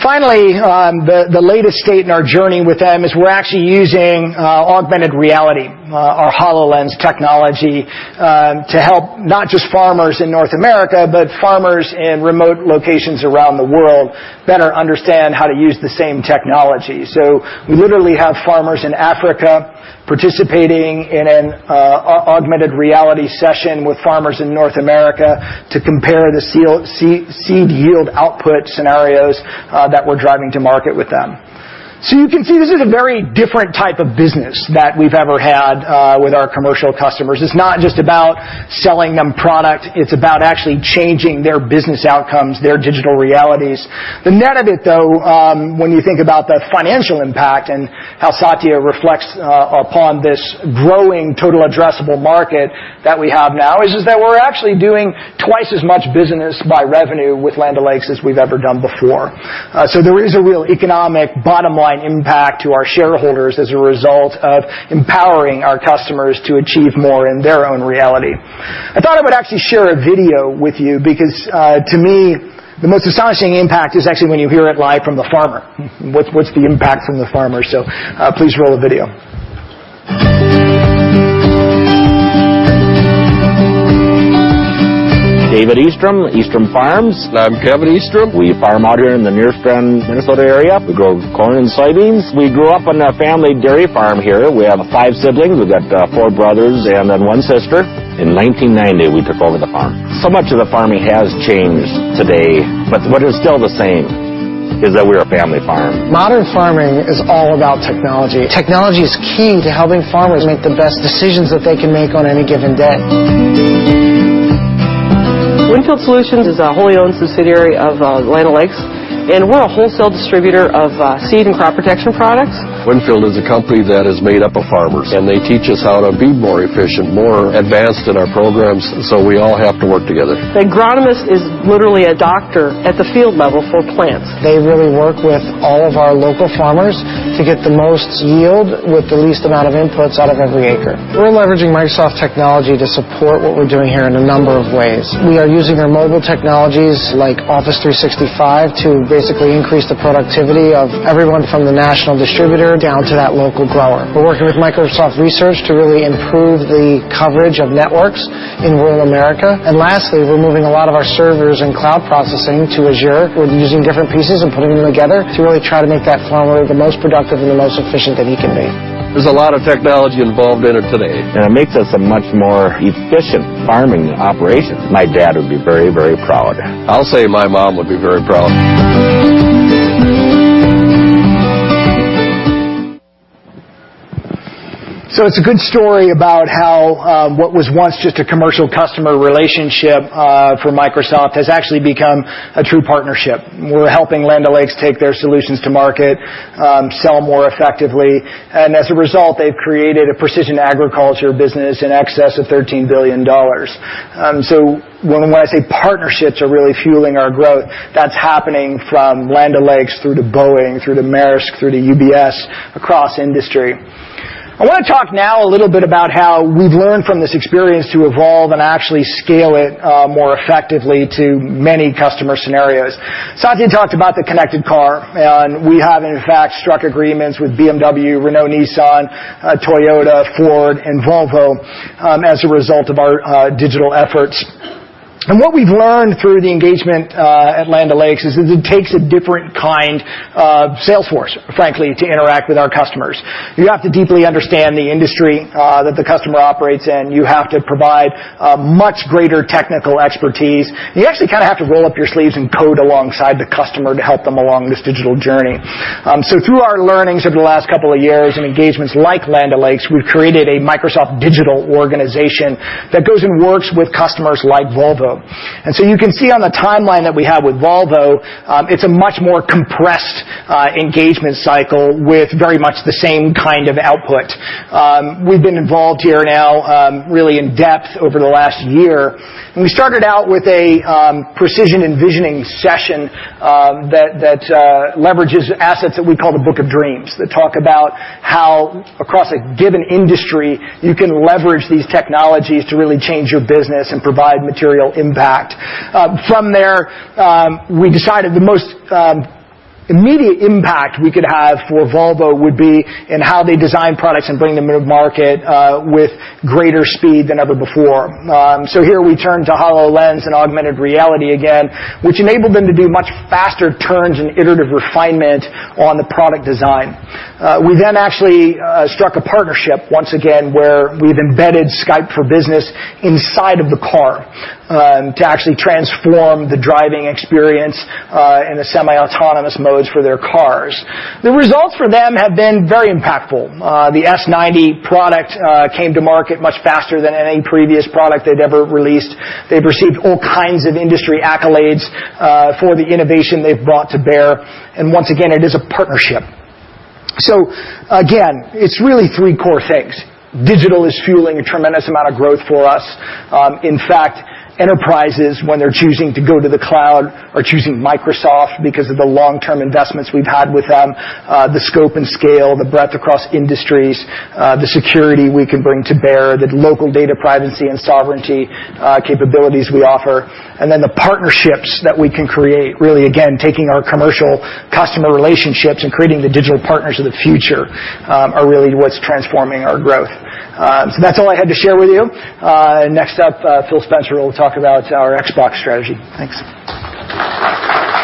Finally, the latest state in our journey with them is we're actually using augmented reality, our HoloLens technology, to help not just farmers in North America, but farmers in remote locations around the world better understand how to use the same technology. We literally have farmers in Africa participating in an augmented reality session with farmers in North America to compare the seed yield output scenarios that we're driving to market with them. You can see this is a very different type of business that we've ever had with our commercial customers. It's not just about selling them product, it's about actually changing their business outcomes, their digital realities. The net of it, though, when you think about the financial impact and how Satya reflects upon this growing total addressable market that we have now, is just that we're actually doing twice as much business by revenue with Land O'Lakes as we've ever done before. There is a real economic bottom line impact to our shareholders as a result of empowering our customers to achieve more in their own reality. I thought I would actually share a video with you because to me, the most astonishing impact is actually when you hear it live from the farmer. What's the impact from the farmer? Please roll the video. David Ekstrom, Ekstrom Farms. I'm Kevin Ekstrom. We farm out here in the Nerstrand, Minnesota area. We grow corn and soybeans. We grew up on a family dairy farm here. We have five siblings. We've got four brothers and then one sister. In 1990, we took over the farm. Much of the farming has changed today, but what is still the same is that we're a family farm. Modern farming is all about technology. Technology is key to helping farmers make the best decisions that they can make on any given day. WinField Solutions is a wholly owned subsidiary of Land O'Lakes, we're a wholesale distributor of seed and crop protection products. WinField is a company that is made up of farmers, they teach us how to be more efficient, more advanced in our programs, we all have to work together. An agronomist is literally a doctor at the field level for plants. They really work with all of our local farmers to get the most yield with the least amount of inputs out of every acre. We're leveraging Microsoft technology to support what we're doing here in a number of ways. We are using their mobile technologies like Office 365 to basically increase the productivity of everyone from the national distributor down to that local grower. We're working with Microsoft Research to really improve the coverage of networks in rural America. Lastly, we're moving a lot of our servers and cloud processing to Azure. We're using different pieces and putting them together to really try to make that farmer the most productive and the most efficient that he can be. There's a lot of technology involved in it today. It makes us a much more efficient farming operation. My dad would be very, very proud. I'll say my mom would be very proud. It's a good story about how what was once just a commercial customer relationship for Microsoft has actually become a true partnership. We're helping Land O'Lakes take their solutions to market, sell more effectively, and as a result, they've created a precision agriculture business in excess of $13 billion. When I say partnerships are really fueling our growth, that's happening from Land O'Lakes through to Boeing, through to Maersk, through to UBS, across industry. I want to talk now a little bit about how we've learned from this experience to evolve and actually scale it more effectively to many customer scenarios. Satya talked about the connected car, we have in fact struck agreements with BMW, Renault, Nissan, Toyota, Ford, and Volvo as a result of our digital efforts. What we've learned through the engagement at Land O'Lakes is that it takes a different kind of sales force, frankly, to interact with our customers. You have to deeply understand the industry that the customer operates in. You have to provide much greater technical expertise. You actually have to roll up your sleeves and code alongside the customer to help them along this digital journey. Through our learnings over the last couple of years and engagements like Land O'Lakes, we've created a Microsoft digital organization that goes and works with customers like Volvo. You can see on the timeline that we have with Volvo, it's a much more compressed engagement cycle with very much the same kind of output. We've been involved here now really in depth over the last year. We started out with a precision envisioning session that leverages assets that we call the Book of Dreams, that talk about how across a given industry, you can leverage these technologies to really change your business and provide material impact. From there, we decided the most immediate impact we could have for Volvo would be in how they design products and bring them to market with greater speed than ever before. Here we turn to HoloLens and augmented reality again, which enabled them to do much faster turns and iterative refinement on the product design. We then actually struck a partnership once again, where we've embedded Skype for Business inside of the car to actually transform the driving experience in the semi-autonomous modes for their cars. The results for them have been very impactful. The S90 product came to market much faster than any previous product they'd ever released. They've received all kinds of industry accolades for the innovation they've brought to bear, and once again, it is a partnership. Again, it's really three core things. Digital is fueling a tremendous amount of growth for us. In fact, enterprises, when they're choosing to go to the cloud, are choosing Microsoft because of the long-term investments we've had with them, the scope and scale, the breadth across industries, the security we can bring to bear, the local data privacy and sovereignty capabilities we offer, and then the partnerships that we can create, really, again, taking our commercial customer relationships and creating the digital partners of the future are really what's transforming our growth. That's all I had to share with you. Next up, Phil Spencer will talk about our Xbox strategy. Thanks. Love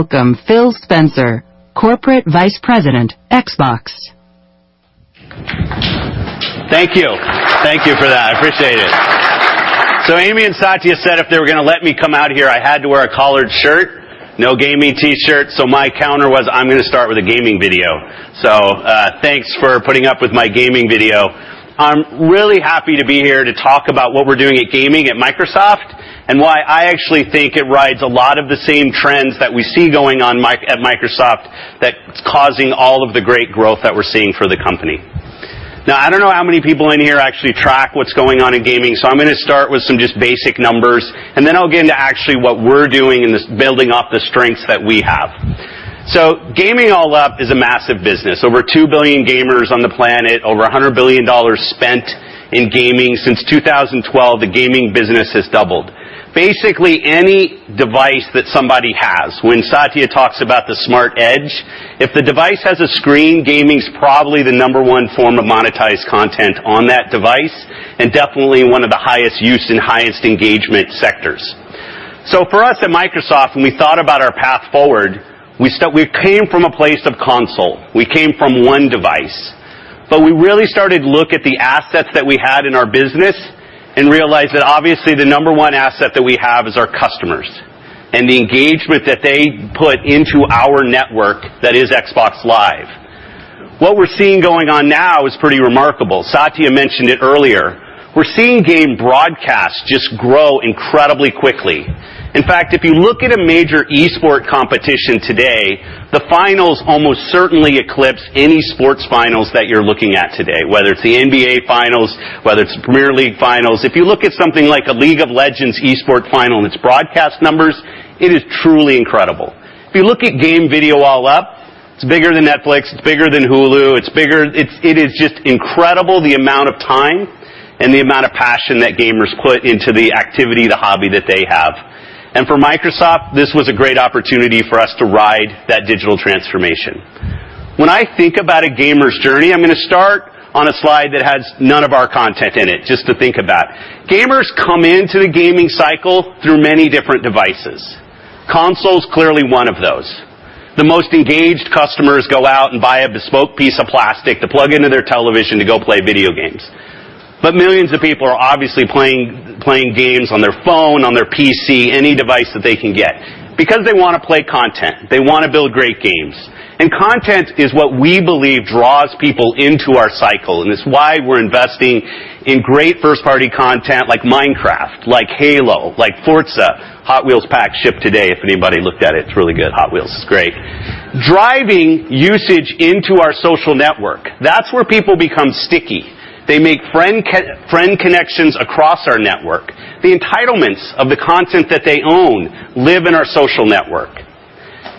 is forgotten and leave me for kindred past. Oh, show me the memory. God take this vacant land. Xbox! Now let go. Don't let go your dreams. No, no, no. Hold on, hold on. As the world lets you go. I say hold on, hold on. I will carry you. I will carry you. Xbox. Xbox. Xbox. Doesn't get better than that. Please welcome Phil Spencer, Corporate Vice President, Xbox. Thank you. Thank you for that. I appreciate it. Amy and Satya said if they were going to let me come out here, I had to wear a collared shirt, no gaming T-shirt. My counter was, I'm going to start with a gaming video. Thanks for putting up with my gaming video. I'm really happy to be here to talk about what we're doing at gaming at Microsoft Corporation and why I actually think it rides a lot of the same trends that we see going on at Microsoft Corporation that's causing all of the great growth that we're seeing for the company. I don't know how many people in here actually track what's going on in gaming, so I'm going to start with some just basic numbers, and then I'll get into actually what we're doing and this building off the strengths that we have. Gaming all up is a massive business. Over 2 billion gamers on the planet, over $100 billion spent in gaming. Since 2012, the gaming business has doubled. Any device that somebody has, when Satya Nadella talks about the smart edge, if the device has a screen, gaming's probably the number one form of monetized content on that device and definitely one of the highest use and highest engagement sectors. For us at Microsoft Corporation, when we thought about our path forward, we came from a place of console. We came from one device. We really started to look at the assets that we had in our business and realized that obviously the number one asset that we have is our customers and the engagement that they put into our network that is Xbox Live. What we're seeing going on now is pretty remarkable. Satya Nadella mentioned it earlier. We're seeing game broadcasts just grow incredibly quickly. In fact, if you look at a major esports competition today, the finals almost certainly eclipse any sports finals that you're looking at today, whether it's the NBA Finals, whether it's the Premier League finals. If you look at something like a League of Legends esports final and its broadcast numbers, it is truly incredible. If you look at game video all up, it's bigger than Netflix, it's bigger than Hulu. It is just incredible the amount of time and the amount of passion that gamers put into the activity, the hobby that they have. For Microsoft Corporation, this was a great opportunity for us to ride that digital transformation. When I think about a gamer's journey, I'm going to start on a slide that has none of our content in it, just to think about. Gamers come into the gaming cycle through many different devices. Console is clearly one of those. The most engaged customers go out and buy a bespoke piece of plastic to plug into their television to go play video games. Millions of people are obviously playing games on their phone, on their PC, any device that they can get because they want to play content. They want to build great games. Content is what we believe draws people into our cycle, and it's why we're investing in great first-party content like Minecraft, like Halo, like Forza. Hot Wheels pack shipped today, if anybody looked at it. It's really good. Hot Wheels is great. Driving usage into our social network, that's where people become sticky. They make friend connections across our network. The entitlements of the content that they own live in our social network.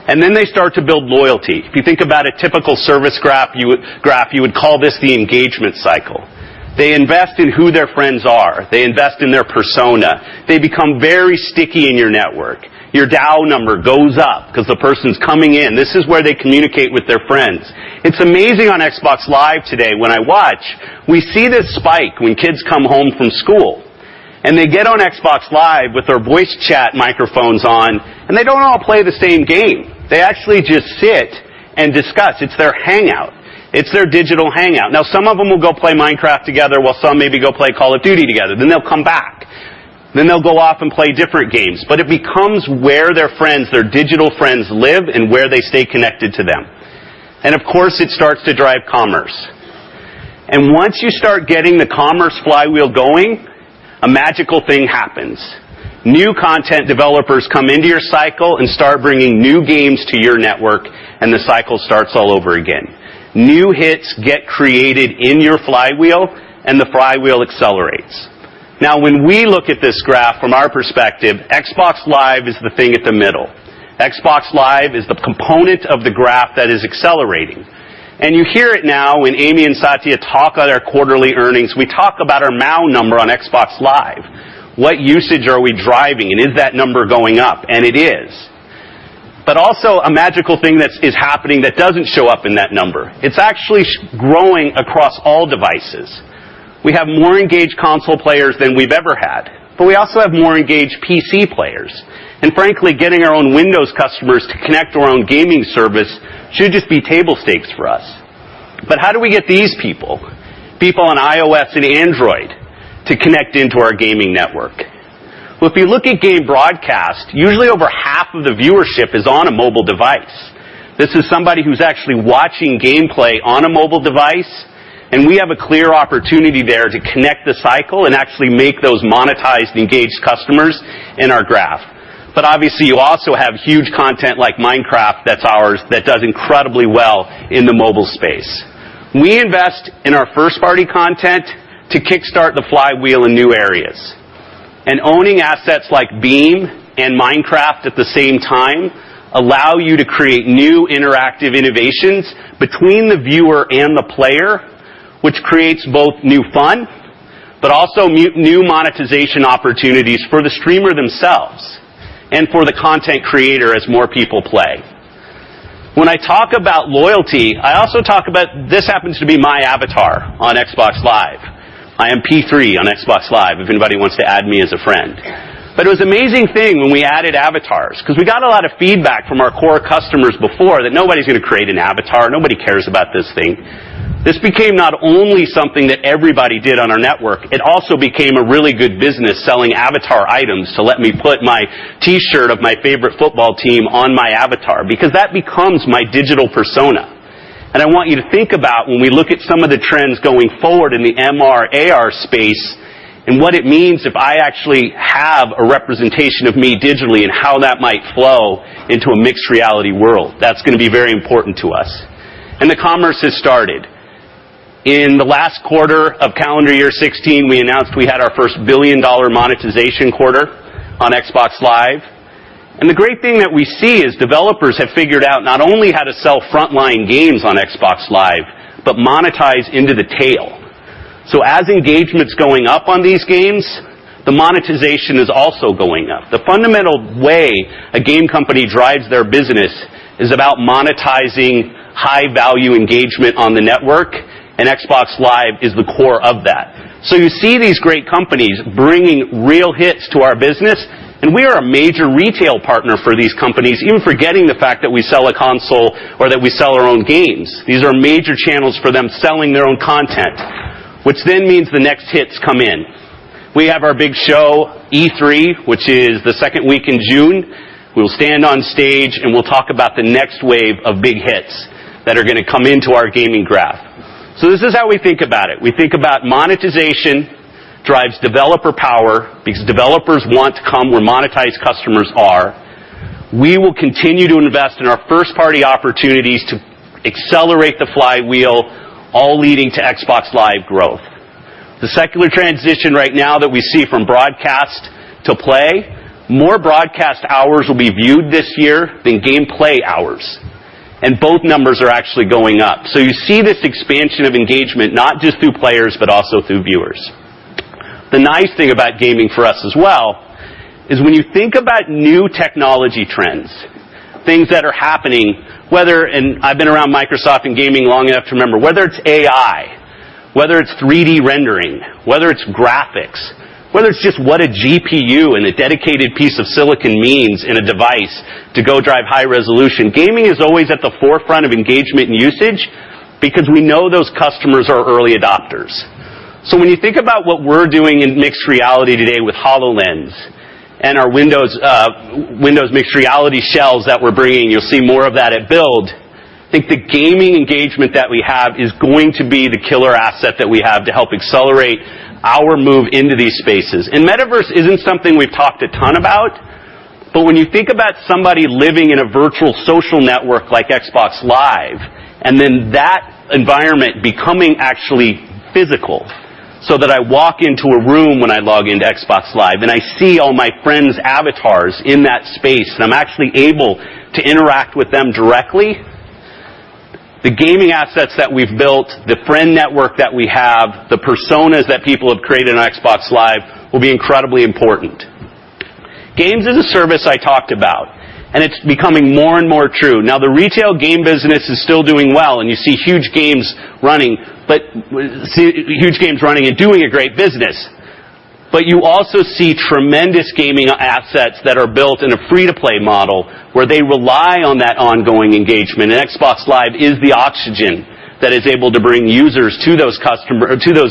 They start to build loyalty. If you think about a typical service graph, you would call this the engagement cycle. They invest in who their friends are. They invest in their persona. They become very sticky in your network. Your DAU number goes up because the person's coming in. This is where they communicate with their friends. It's amazing on Xbox Live today, when I watch, we see this spike when kids come home from school and they get on Xbox Live with their voice chat microphones on, they don't all play the same game. They actually just sit and discuss. It's their hangout. It's their digital hangout. Some of them will go play Minecraft together, while some maybe go play Call of Duty together. They'll come back. They'll go off and play different games. It becomes where their friends, their digital friends, live and where they stay connected to them. Of course, it starts to drive commerce. Once you start getting the commerce flywheel going, a magical thing happens. New content developers come into your cycle and start bringing new games to your network, the cycle starts all over again. New hits get created in your flywheel, the flywheel accelerates. When we look at this graph from our perspective, Xbox Live is the thing at the middle. Xbox Live is the component of the graph that is accelerating. You hear it now when Amy and Satya talk on our quarterly earnings. We talk about our MAU number on Xbox Live. What usage are we driving, and is that number going up? It is. Also a magical thing that is happening that doesn't show up in that number. It's actually growing across all devices. We have more engaged console players than we've ever had, we also have more engaged PC players. Frankly, getting our own Windows customers to connect to our own gaming service should just be table stakes for us. How do we get these people on iOS and Android, to connect into our gaming network? If you look at game broadcast, usually over half of the viewership is on a mobile device. This is somebody who's actually watching gameplay on a mobile device, we have a clear opportunity there to connect the cycle and actually make those monetized, engaged customers in our graph. Obviously, you also have huge content like Minecraft that's ours that does incredibly well in the mobile space. We invest in our first-party content to kickstart the flywheel in new areas. Owning assets like Beam and Minecraft at the same time allow you to create new interactive innovations between the viewer and the player, which creates both new fun but also new monetization opportunities for the streamer themselves and for the content creator as more people play. When I talk about loyalty, I also talk about. This happens to be my avatar on Xbox Live. I am P3 on Xbox Live, if anybody wants to add me as a friend. It was an amazing thing when we added avatars because we got a lot of feedback from our core customers before that nobody's going to create an avatar. Nobody cares about this thing. This became not only something that everybody did on our network, it also became a really good business selling avatar items to let me put my T-shirt of my favorite football team on my avatar because that becomes my digital persona. I want you to think about when we look at some of the trends going forward in the MR/AR space and what it means if I actually have a representation of me digitally and how that might flow into a mixed reality world. That's going to be very important to us. The commerce has started. In the last quarter of calendar year 2016, we announced we had our first billion-dollar monetization quarter on Xbox Live. The great thing that we see is developers have figured out not only how to sell frontline games on Xbox Live, but monetize into the tail. As engagement's going up on these games, the monetization is also going up. The fundamental way a game company drives their business is about monetizing high-value engagement on the network, and Xbox Live is the core of that. You see these great companies bringing real hits to our business, and we are a major retail partner for these companies, even forgetting the fact that we sell a console or that we sell our own games. These are major channels for them selling their own content, which then means the next hits come in. We have our big show, E3, which is the second week in June. We'll stand on stage, and we'll talk about the next wave of big hits that are going to come into our gaming graph. This is how we think about it. We think about monetization drives developer power because developers want to come where monetized customers are. We will continue to invest in our first-party opportunities to accelerate the flywheel, all leading to Xbox Live growth. The secular transition right now that we see from broadcast to play, more broadcast hours will be viewed this year than gameplay hours, and both numbers are actually going up. You see this expansion of engagement, not just through players, but also through viewers. The nice thing about gaming for us as well is when you think about new technology trends, things that are happening, and I've been around Microsoft and gaming long enough to remember, whether it's AI, whether it's 3D rendering, whether it's graphics, whether it's just what a GPU and a dedicated piece of silicon means in a device to go drive high resolution, gaming is always at the forefront of engagement and usage because we know those customers are early adopters. When you think about what we're doing in mixed reality today with HoloLens and our Windows Mixed Reality shells that we're bringing, you'll see more of that at Build. I think the gaming engagement that we have is going to be the killer asset that we have to help accelerate our move into these spaces. Metaverse isn't something we've talked a ton about, but when you think about somebody living in a virtual social network like Xbox Live, then that environment becoming actually physical, so that I walk into a room when I log into Xbox Live and I see all my friends' avatars in that space, and I'm actually able to interact with them directly. The gaming assets that we've built, the friend network that we have, the personas that people have created on Xbox Live will be incredibly important. Games as a service I talked about, and it's becoming more and more true. Now, the retail game business is still doing well, and you see huge games running and doing a great business. You also see tremendous gaming assets that are built in a free-to-play model, where they rely on that ongoing engagement. Xbox Live is the oxygen that is able to bring users to those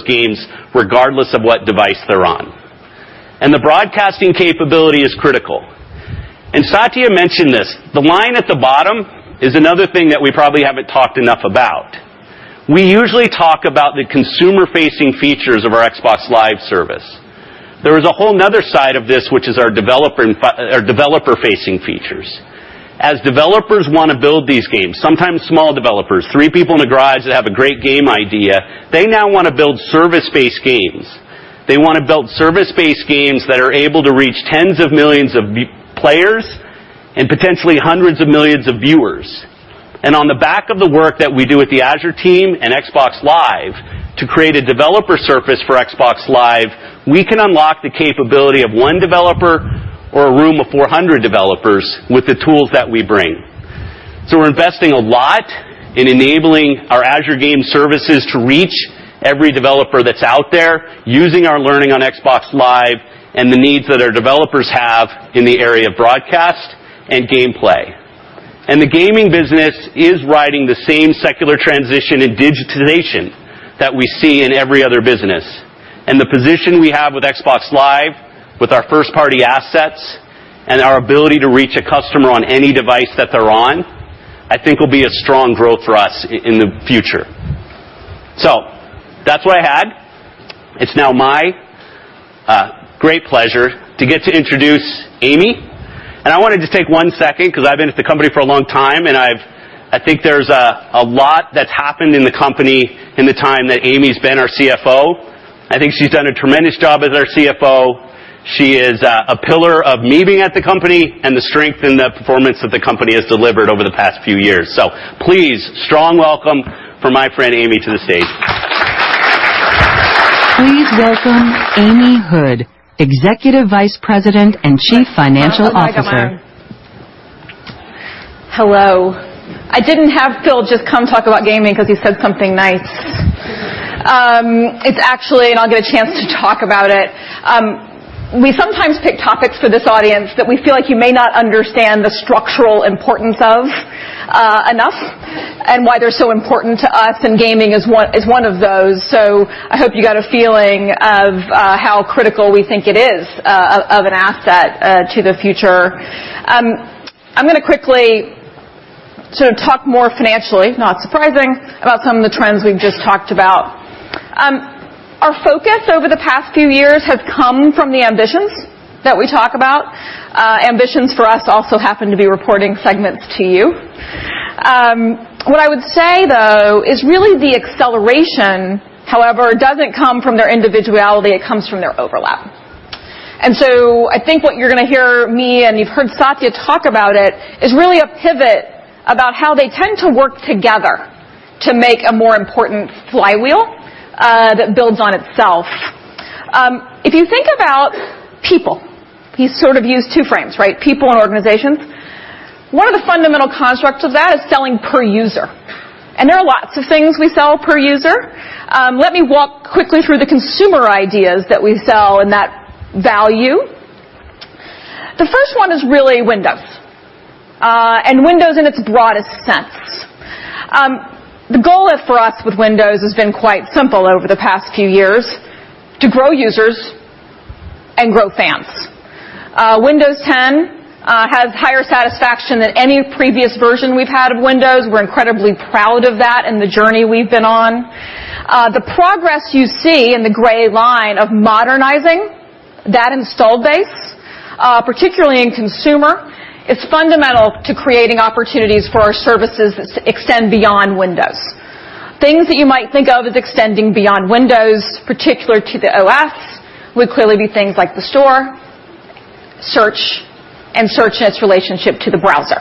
games regardless of what device they're on. The broadcasting capability is critical. Satya mentioned this. The line at the bottom is another thing that we probably haven't talked enough about. We usually talk about the consumer-facing features of our Xbox Live service. There is a whole another side of this, which is our developer-facing features. As developers want to build these games, sometimes small developers, three people in a garage that have a great game idea, they now want to build service-based games. They want to build service-based games that are able to reach tens of millions of players and potentially hundreds of millions of viewers. On the back of the work that we do with the Azure team and Xbox Live to create a developer surface for Xbox Live, we can unlock the capability of one developer or a room of 400 developers with the tools that we bring. We're investing a lot in enabling our Azure game services to reach every developer that's out there using our learning on Xbox Live and the needs that our developers have in the area of broadcast and gameplay. The gaming business is riding the same secular transition in digitization that we see in every other business. The position we have with Xbox Live, with our first-party assets and our ability to reach a customer on any device that they're on, I think will be a strong growth for us in the future. That's what I had. It's now my great pleasure to get to introduce Amy. I want to just take one second because I've been at the company for a long time, and I think there's a lot that's happened in the company in the time that Amy's been our CFO. I think she's done a tremendous job as our CFO. She is a pillar of me being at the company and the strength in the performance that the company has delivered over the past few years. Please, strong welcome for my friend Amy to the stage. Please welcome Amy Hood, Executive Vice President and Chief Financial Officer. Hello. I didn't have Phil just come talk about gaming because he said something nice. It's actually, I'll get a chance to talk about it. We sometimes pick topics for this audience that we feel like you may not understand the structural importance of enough and why they're so important to us, and gaming is one of those. I hope you got a feeling of how critical we think it is of an asset to the future. To talk more financially, not surprising, about some of the trends we've just talked about. Our focus over the past few years has come from the ambitions that we talk about. Ambitions for us also happen to be reporting segments to you. What I would say, though, is really the acceleration, however, doesn't come from their individuality, it comes from their overlap. I think what you're going to hear me, you've heard Satya talk about it, is really a pivot about how they tend to work together to make a more important flywheel that builds on itself. If you think about people, you sort of use two frames, right? People and organizations. One of the fundamental constructs of that is selling per user, there are lots of things we sell per user. Let me walk quickly through the consumer ideas that we sell and that value. The first one is really Windows in its broadest sense. The goal for us with Windows has been quite simple over the past few years: to grow users and grow fans. Windows 10 has higher satisfaction than any previous version we've had of Windows. We're incredibly proud of that and the journey we've been on. The progress you see in the gray line of modernizing that installed base, particularly in consumer, is fundamental to creating opportunities for our services that extend beyond Windows. Things that you might think of as extending beyond Windows, particular to the OS, would clearly be things like the Store, Search, and Search's relationship to the browser.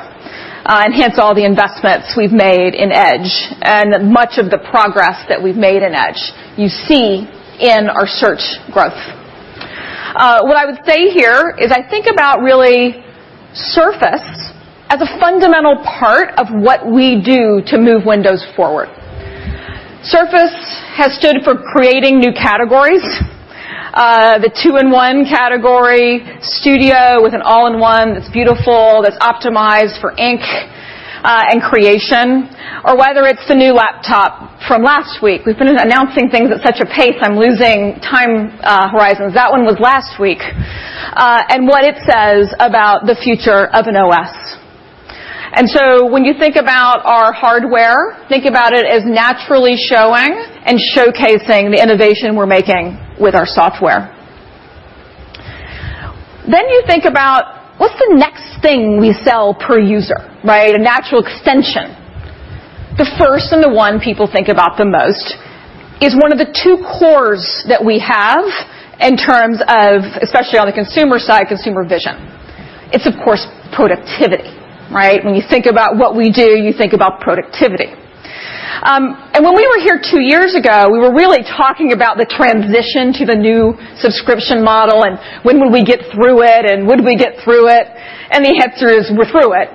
Hence all the investments we've made in Edge and much of the progress that we've made in Edge you see in our Search growth. What I would say here is I think about really Surface as a fundamental part of what we do to move Windows forward. Surface has stood for creating new categories. The two-in-one category, Studio, with an all-in-one that's beautiful, that's optimized for ink and creation, or whether it's the new laptop from last week. We've been announcing things at such a pace, I'm losing time horizons. That one was last week, and what it says about the future of an OS. When you think about our hardware, think about it as naturally showing and showcasing the innovation we're making with our software. You think about what's the next thing we sell per user, right? A natural extension. The first and the one people think about the most is one of the two cores that we have in terms of, especially on the consumer side, consumer vision. It's, of course, productivity. Right? When you think about what we do, you think about productivity. When we were here two years ago, we were really talking about the transition to the new subscription model and when would we get through it and would we get through it? The answer is we're through it.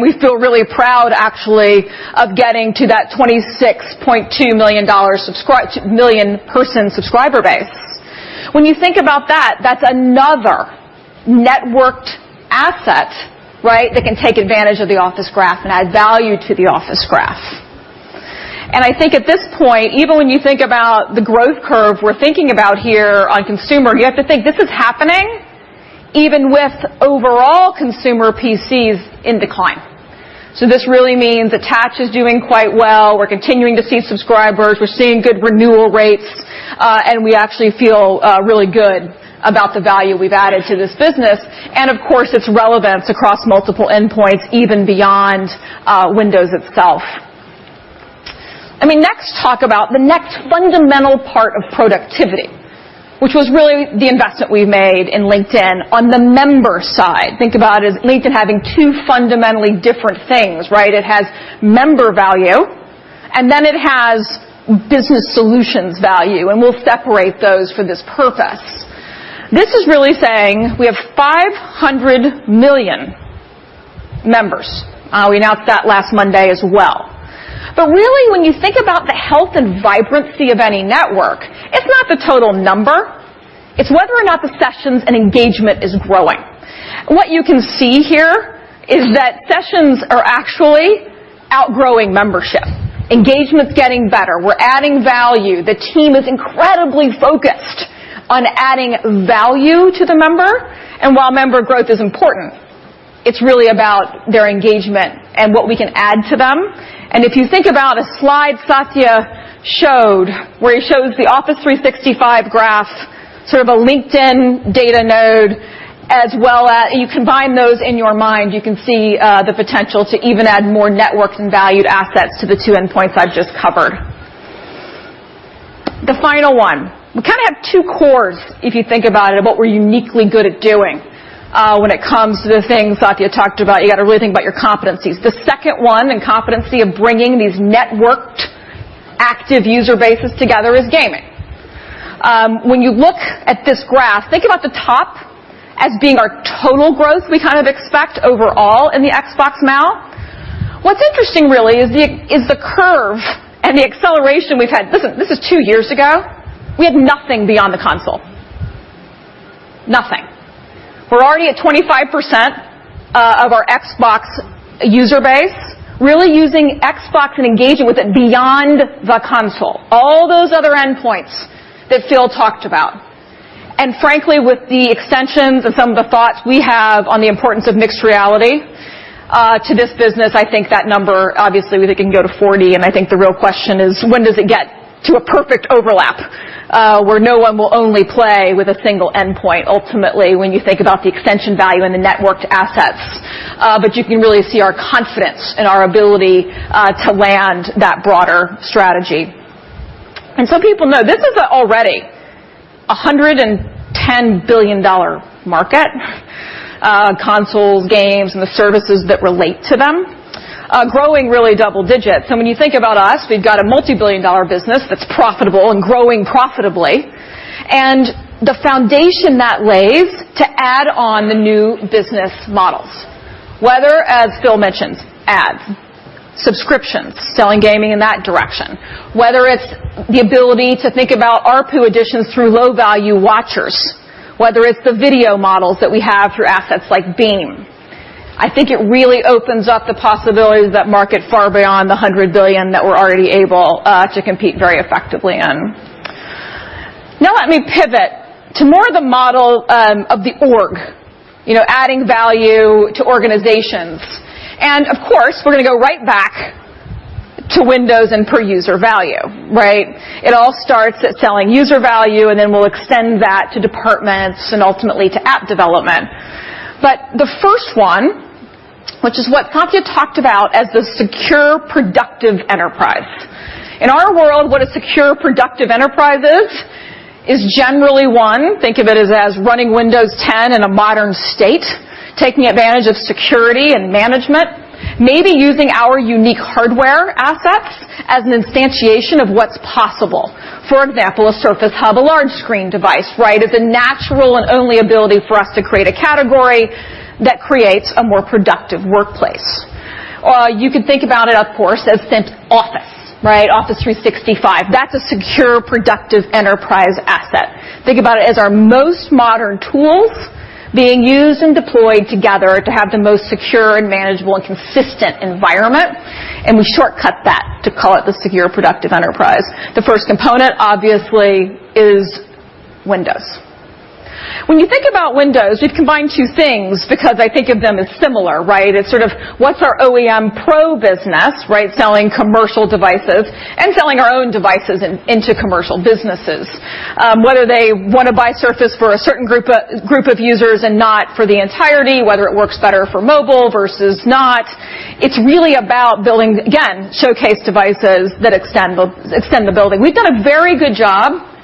We feel really proud, actually, of getting to that $26.2 million person subscriber base. When you think about that's another networked asset, right, that can take advantage of the Office Graph and add value to the Office Graph. I think at this point, even when you think about the growth curve we're thinking about here on consumer, you have to think this is happening even with overall consumer PCs in decline. This really means attach is doing quite well. We're continuing to see subscribers, we're seeing good renewal rates, and we actually feel really good about the value we've added to this business, and of course, its relevance across multiple endpoints, even beyond Windows itself. We next talk about the next fundamental part of productivity, which was really the investment we made in LinkedIn on the member side. Think about LinkedIn having two fundamentally different things. It has member value, and then it has business solutions value, and we'll separate those for this purpose. This is really saying we have 500 million members. We announced that last Monday as well. Really, when you think about the health and vibrancy of any network, it's not the total number, it's whether or not the sessions and engagement is growing. What you can see here is that sessions are actually outgrowing membership. Engagement's getting better. We're adding value. The team is incredibly focused on adding value to the member. While member growth is important, it's really about their engagement and what we can add to them. If you think about a slide Satya showed where he shows the Office 365 graph, sort of a LinkedIn data node. You combine those in your mind, you can see the potential to even add more networks and valued assets to the two endpoints I've just covered. The final one. We kind of have two cores, if you think about it, of what we're uniquely good at doing when it comes to the things Satya talked about. You got to really think about your competencies. The second one in competency of bringing these networked active user bases together is gaming. When you look at this graph, think about the top as being our total growth we kind of expect overall in the Xbox MAU. What's interesting really is the curve and the acceleration we've had. Listen, this is two years ago. We had nothing beyond the console. Nothing. We're already at 25% of our Xbox user base really using Xbox and engaging with it beyond the console. All those other endpoints that Phil talked about. Frankly, with the extensions and some of the thoughts we have on the importance of mixed reality to this business, I think that number, obviously, we think can go to 40. I think the real question is, when does it get to a perfect overlap, where no one will only play with a single endpoint, ultimately, when you think about the extension value and the networked assets. You can really see our confidence and our ability to land that broader strategy. Some people know this is already a $110 billion market, consoles, games, and the services that relate to them, growing really double digits. When you think about us, we've got a multi-billion dollar business that's profitable and growing profitably. The foundation that lays to add on the new business models. Whether, as Phil mentioned, ads, subscriptions, selling gaming in that direction, whether it's the ability to think about ARPU additions through low-value watchers, whether it's the video models that we have through assets like Beam. I think it really opens up the possibilities of that market far beyond the $100 billion that we're already able to compete very effectively in. Let me pivot to more of the model of the org, adding value to organizations. Of course, we're going to go right back to Windows and per-user value, right? It all starts at selling user value, then we'll extend that to departments and ultimately to app development. The first one, which is what Satya talked about as the Secure Productive Enterprise. In our world, what a Secure Productive Enterprise is generally, one, think of it as running Windows 10 in a modern state, taking advantage of security and management, maybe using our unique hardware assets as an instantiation of what's possible. For example, a Surface Hub, a large-screen device, right? It's a natural and only ability for us to create a category that creates a more productive workplace. You could think about it, of course, as Office, right? Office 365, that's a Secure Productive Enterprise asset. Think about it as our most modern tools being used and deployed together to have the most secure and manageable and consistent environment, we shortcut that to call it the Secure Productive Enterprise. The first component, obviously, is Windows. When you think about Windows, we've combined two things because I think of them as similar, right? It's sort of what's our OEM Pro business, right? Selling commercial devices and selling our own devices into commercial businesses. Whether they want to buy Surface for a certain group of users and not for the entirety, whether it works better for mobile versus not. It's really about building, again, showcase devices that extend the building. We've done a very good job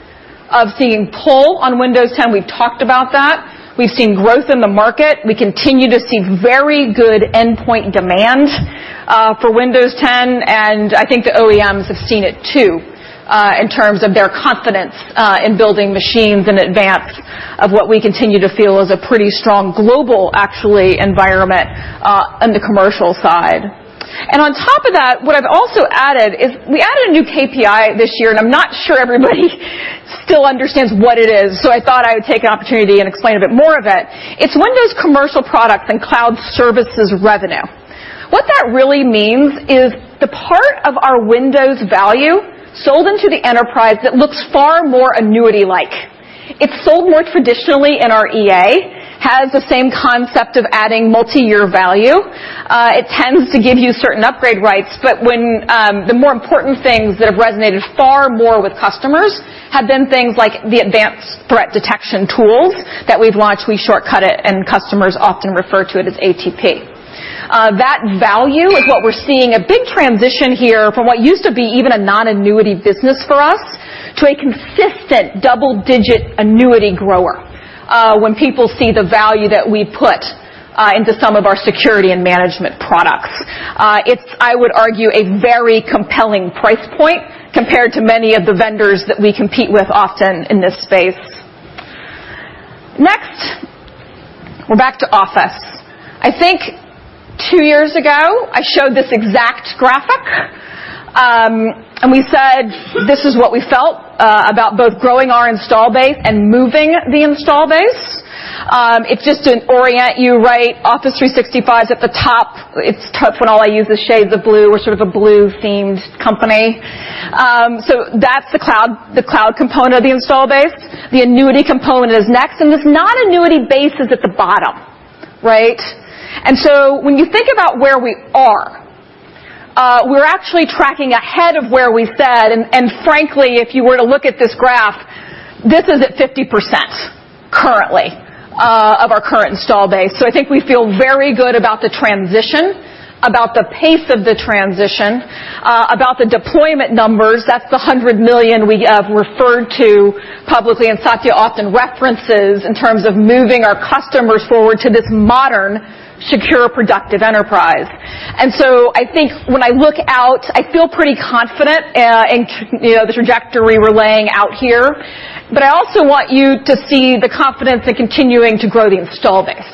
of seeing pull on Windows 10. We've talked about that. We've seen growth in the market. We continue to see very good endpoint demand for Windows 10, I think the OEMs have seen it, too, in terms of their confidence in building machines in advance of what we continue to feel is a pretty strong global, actually, environment on the commercial side. On top of that, what I've also added is we added a new KPI this year. I'm not sure everybody still understands what it is, so I thought I would take an opportunity and explain a bit more of it. It's Windows commercial products and cloud services revenue. What that really means is the part of our Windows value sold into the enterprise that looks far more annuity-like. It's sold more traditionally in our EA, has the same concept of adding multi-year value. It tends to give you certain upgrade rights. The more important things that have resonated far more with customers have been things like the advanced threat detection tools that we've launched, we shortcut it, and customers often refer to it as ATP. That value is what we're seeing a big transition here from what used to be even a non-annuity business for us to a consistent double-digit annuity grower when people see the value that we put into some of our security and management products. It's, I would argue, a very compelling price point compared to many of the vendors that we compete with often in this space. We're back to Office. I think 2 years ago, I showed this exact graphic. We said this is what we felt about both growing our install base and moving the install base. It's just to orient you right, Office 365 is at the top. It's tough when all I use is shades of blue. We're sort of a blue-themed company. That's the cloud component of the install base. The annuity component is next. This non-annuity base is at the bottom, right? When you think about where we are, we're actually tracking ahead of where we said. Frankly, if you were to look at this graph, this is at 50% currently of our current install base. I think we feel very good about the transition, about the pace of the transition, about the deployment numbers. That's the 100 million we have referred to publicly and Satya often references in terms of moving our customers forward to this modern, Secure Productive Enterprise. I think when I look out, I feel pretty confident in the trajectory we're laying out here. I also want you to see the confidence in continuing to grow the install base.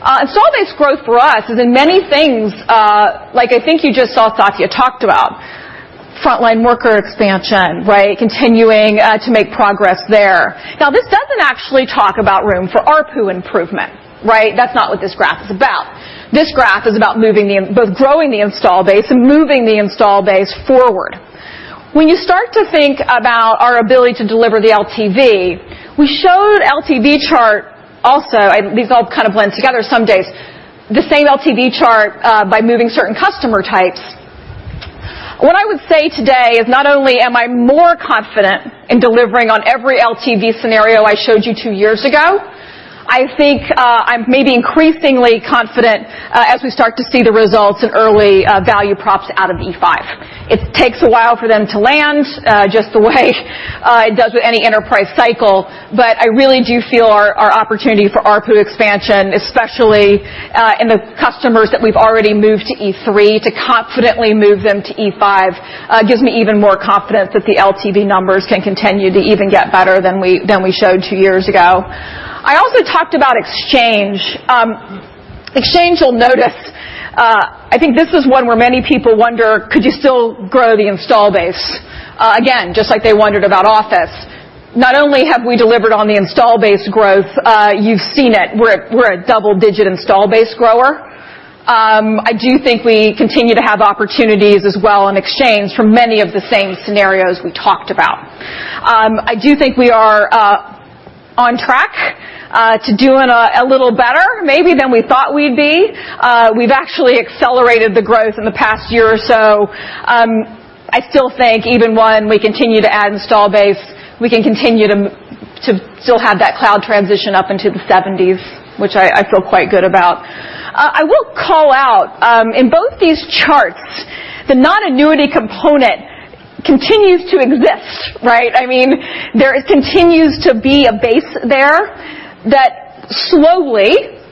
Install base growth for us is in many things, like I think you just saw Satya talked about, frontline worker expansion, right? Continuing to make progress there. This doesn't actually talk about room for ARPU improvement, right? That's not what this graph is about. This graph is about both growing the install base and moving the install base forward. When you start to think about our ability to deliver the LTV, we showed LTV chart also. These all kind of blend together some days, the same LTV chart by moving certain customer types. What I would say today is not only am I more confident in delivering on every LTV scenario I showed you 2 years ago, I think I'm maybe increasingly confident as we start to see the results in early value props out of E5. It takes a while for them to land, just the way it does with any enterprise cycle. I really do feel our opportunity for ARPU expansion, especially in the customers that we've already moved to E3, to confidently move them to E5, gives me even more confidence that the LTV numbers can continue to even get better than we showed two years ago. I also talked about Exchange. Exchange, you'll notice, I think this is one where many people wonder, could you still grow the install base? Again, just like they wondered about Office. Not only have we delivered on the install-based growth, you've seen it. We're a double-digit install base grower. I do think we continue to have opportunities as well in Exchange for many of the same scenarios we talked about. I do think we are on track to doing a little better maybe than we thought we'd be. We've actually accelerated the growth in the past year or so. I still think even when we continue to add install base, we can continue to still have that cloud transition up into the 70s, which I feel quite good about. I will call out, in both these charts, the non-annuity component continues to exist, right? There continues to be a base there that slowly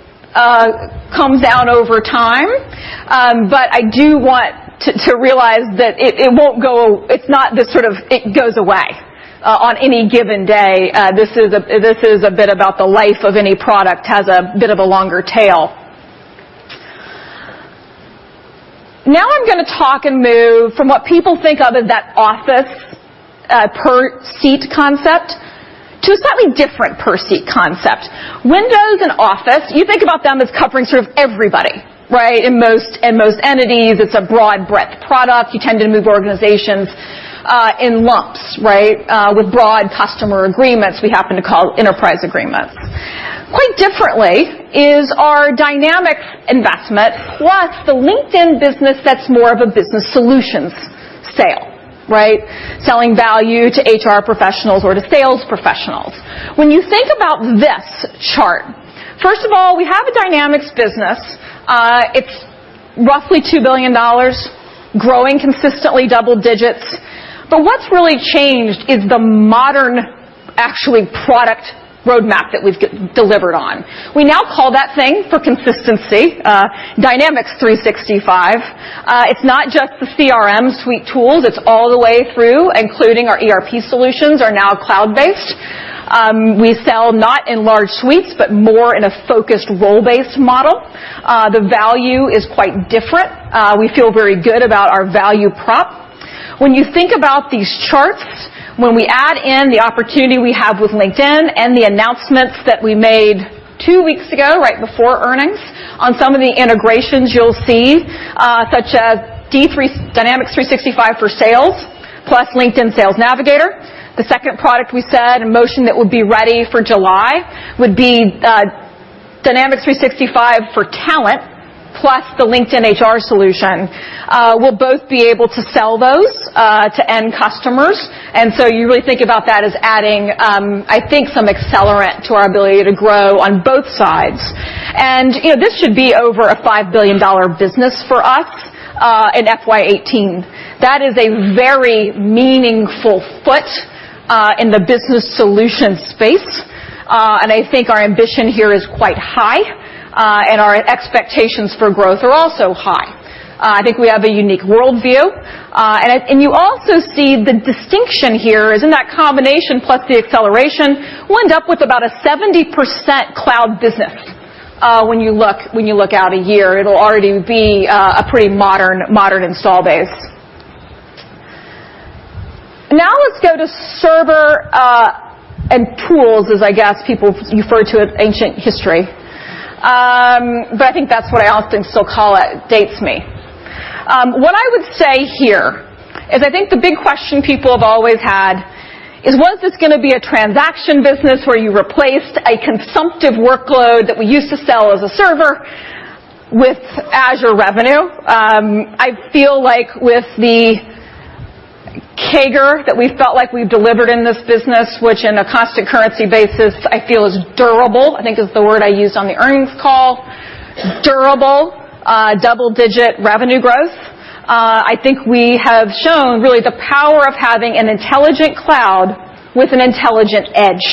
comes down over time, I do want to realize that it's not this sort of it goes away on any given day. This is a bit about the life of any product, has a bit of a longer tail. Now I'm going to talk and move from what people think of as that Office per seat concept to a slightly different per seat concept. Windows and Office, you think about them as covering sort of everybody, right? In most entities, it's a broad breadth product. You tend to move organizations in lumps, right? With broad customer agreements we happen to call enterprise agreements. Quite differently is our Dynamics investment, plus the LinkedIn business that's more of a business solutions sale, right? Selling value to HR professionals or to sales professionals. When you think about this chart, first of all, we have a Dynamics business. It's roughly $2 billion, growing consistently double digits. What's really changed is the modern, actually, product roadmap that we've delivered on. We now call that thing, for consistency, Dynamics 365. It's not just the CRM suite tools. It's all the way through, including our ERP solutions are now cloud-based. We sell not in large suites, but more in a focused role-based model. The value is quite different. We feel very good about our value prop. When you think about these charts, when we add in the opportunity we have with LinkedIn and the announcements that we made two weeks ago, right before earnings, on some of the integrations you'll see such as Dynamics 365 for Sales plus LinkedIn Sales Navigator. The second product we said in motion that would be ready for July would be Dynamics 365 for Talent plus the LinkedIn HR solution. We'll both be able to sell those to end customers, so you really think about that as adding, I think, some accelerant to our ability to grow on both sides. This should be over a $5 billion business for us in FY 2018. That is a very meaningful foot in the business solution space, and I think our ambition here is quite high, and our expectations for growth are also high. I think we have a unique worldview. You also see the distinction here is in that combination plus the acceleration, we'll end up with about a 70% cloud business when you look out a year. It'll already be a pretty modern install base. Let's go to server and tools, as I guess people refer to as ancient history. I think that's what I often still call it. It dates me. What I would say here is I think the big question people have always had is, was this going to be a transaction business where you replaced a consumptive workload that we used to sell as a server with Azure revenue? I feel like with the CAGR that we felt like we've delivered in this business, which in a constant currency basis I feel is durable, I think is the word I used on the earnings call, durable double-digit revenue growth. I think we have shown really the power of having an intelligent cloud with an intelligent edge.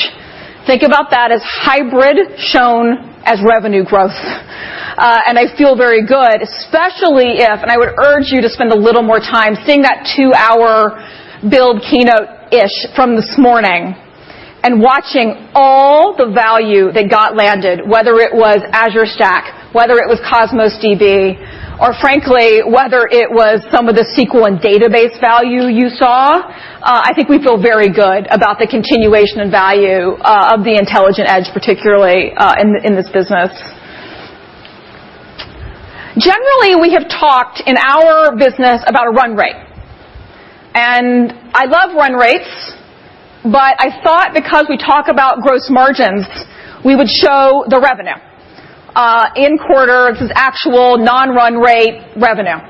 Think about that as hybrid shown as revenue growth. I feel very good, especially if, I would urge you to spend a little more time seeing that two-hour Build keynote-ish from this morning and watching all the value that got landed, whether it was Azure Stack, whether it was Cosmos DB, or frankly, whether it was some of the SQL and database value you saw. I think we feel very good about the continuation and value of the intelligent edge, particularly in this business. Generally, we have talked in our business about a run rate. I love run rates, but I thought because we talk about gross margins, we would show the revenue. In quarter, this is actual non-run rate revenue.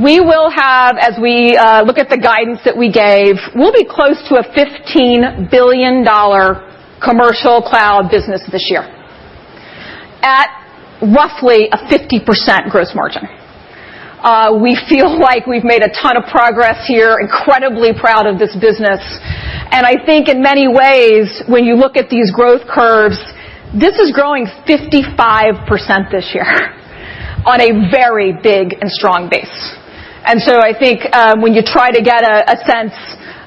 We will have, as we look at the guidance that we gave, we'll be close to a $15 billion commercial cloud business this year at roughly a 50% gross margin. We feel like we've made a ton of progress here, incredibly proud of this business. I think in many ways, when you look at these growth curves, this is growing 55% this year on a very big and strong base. I think when you try to get a sense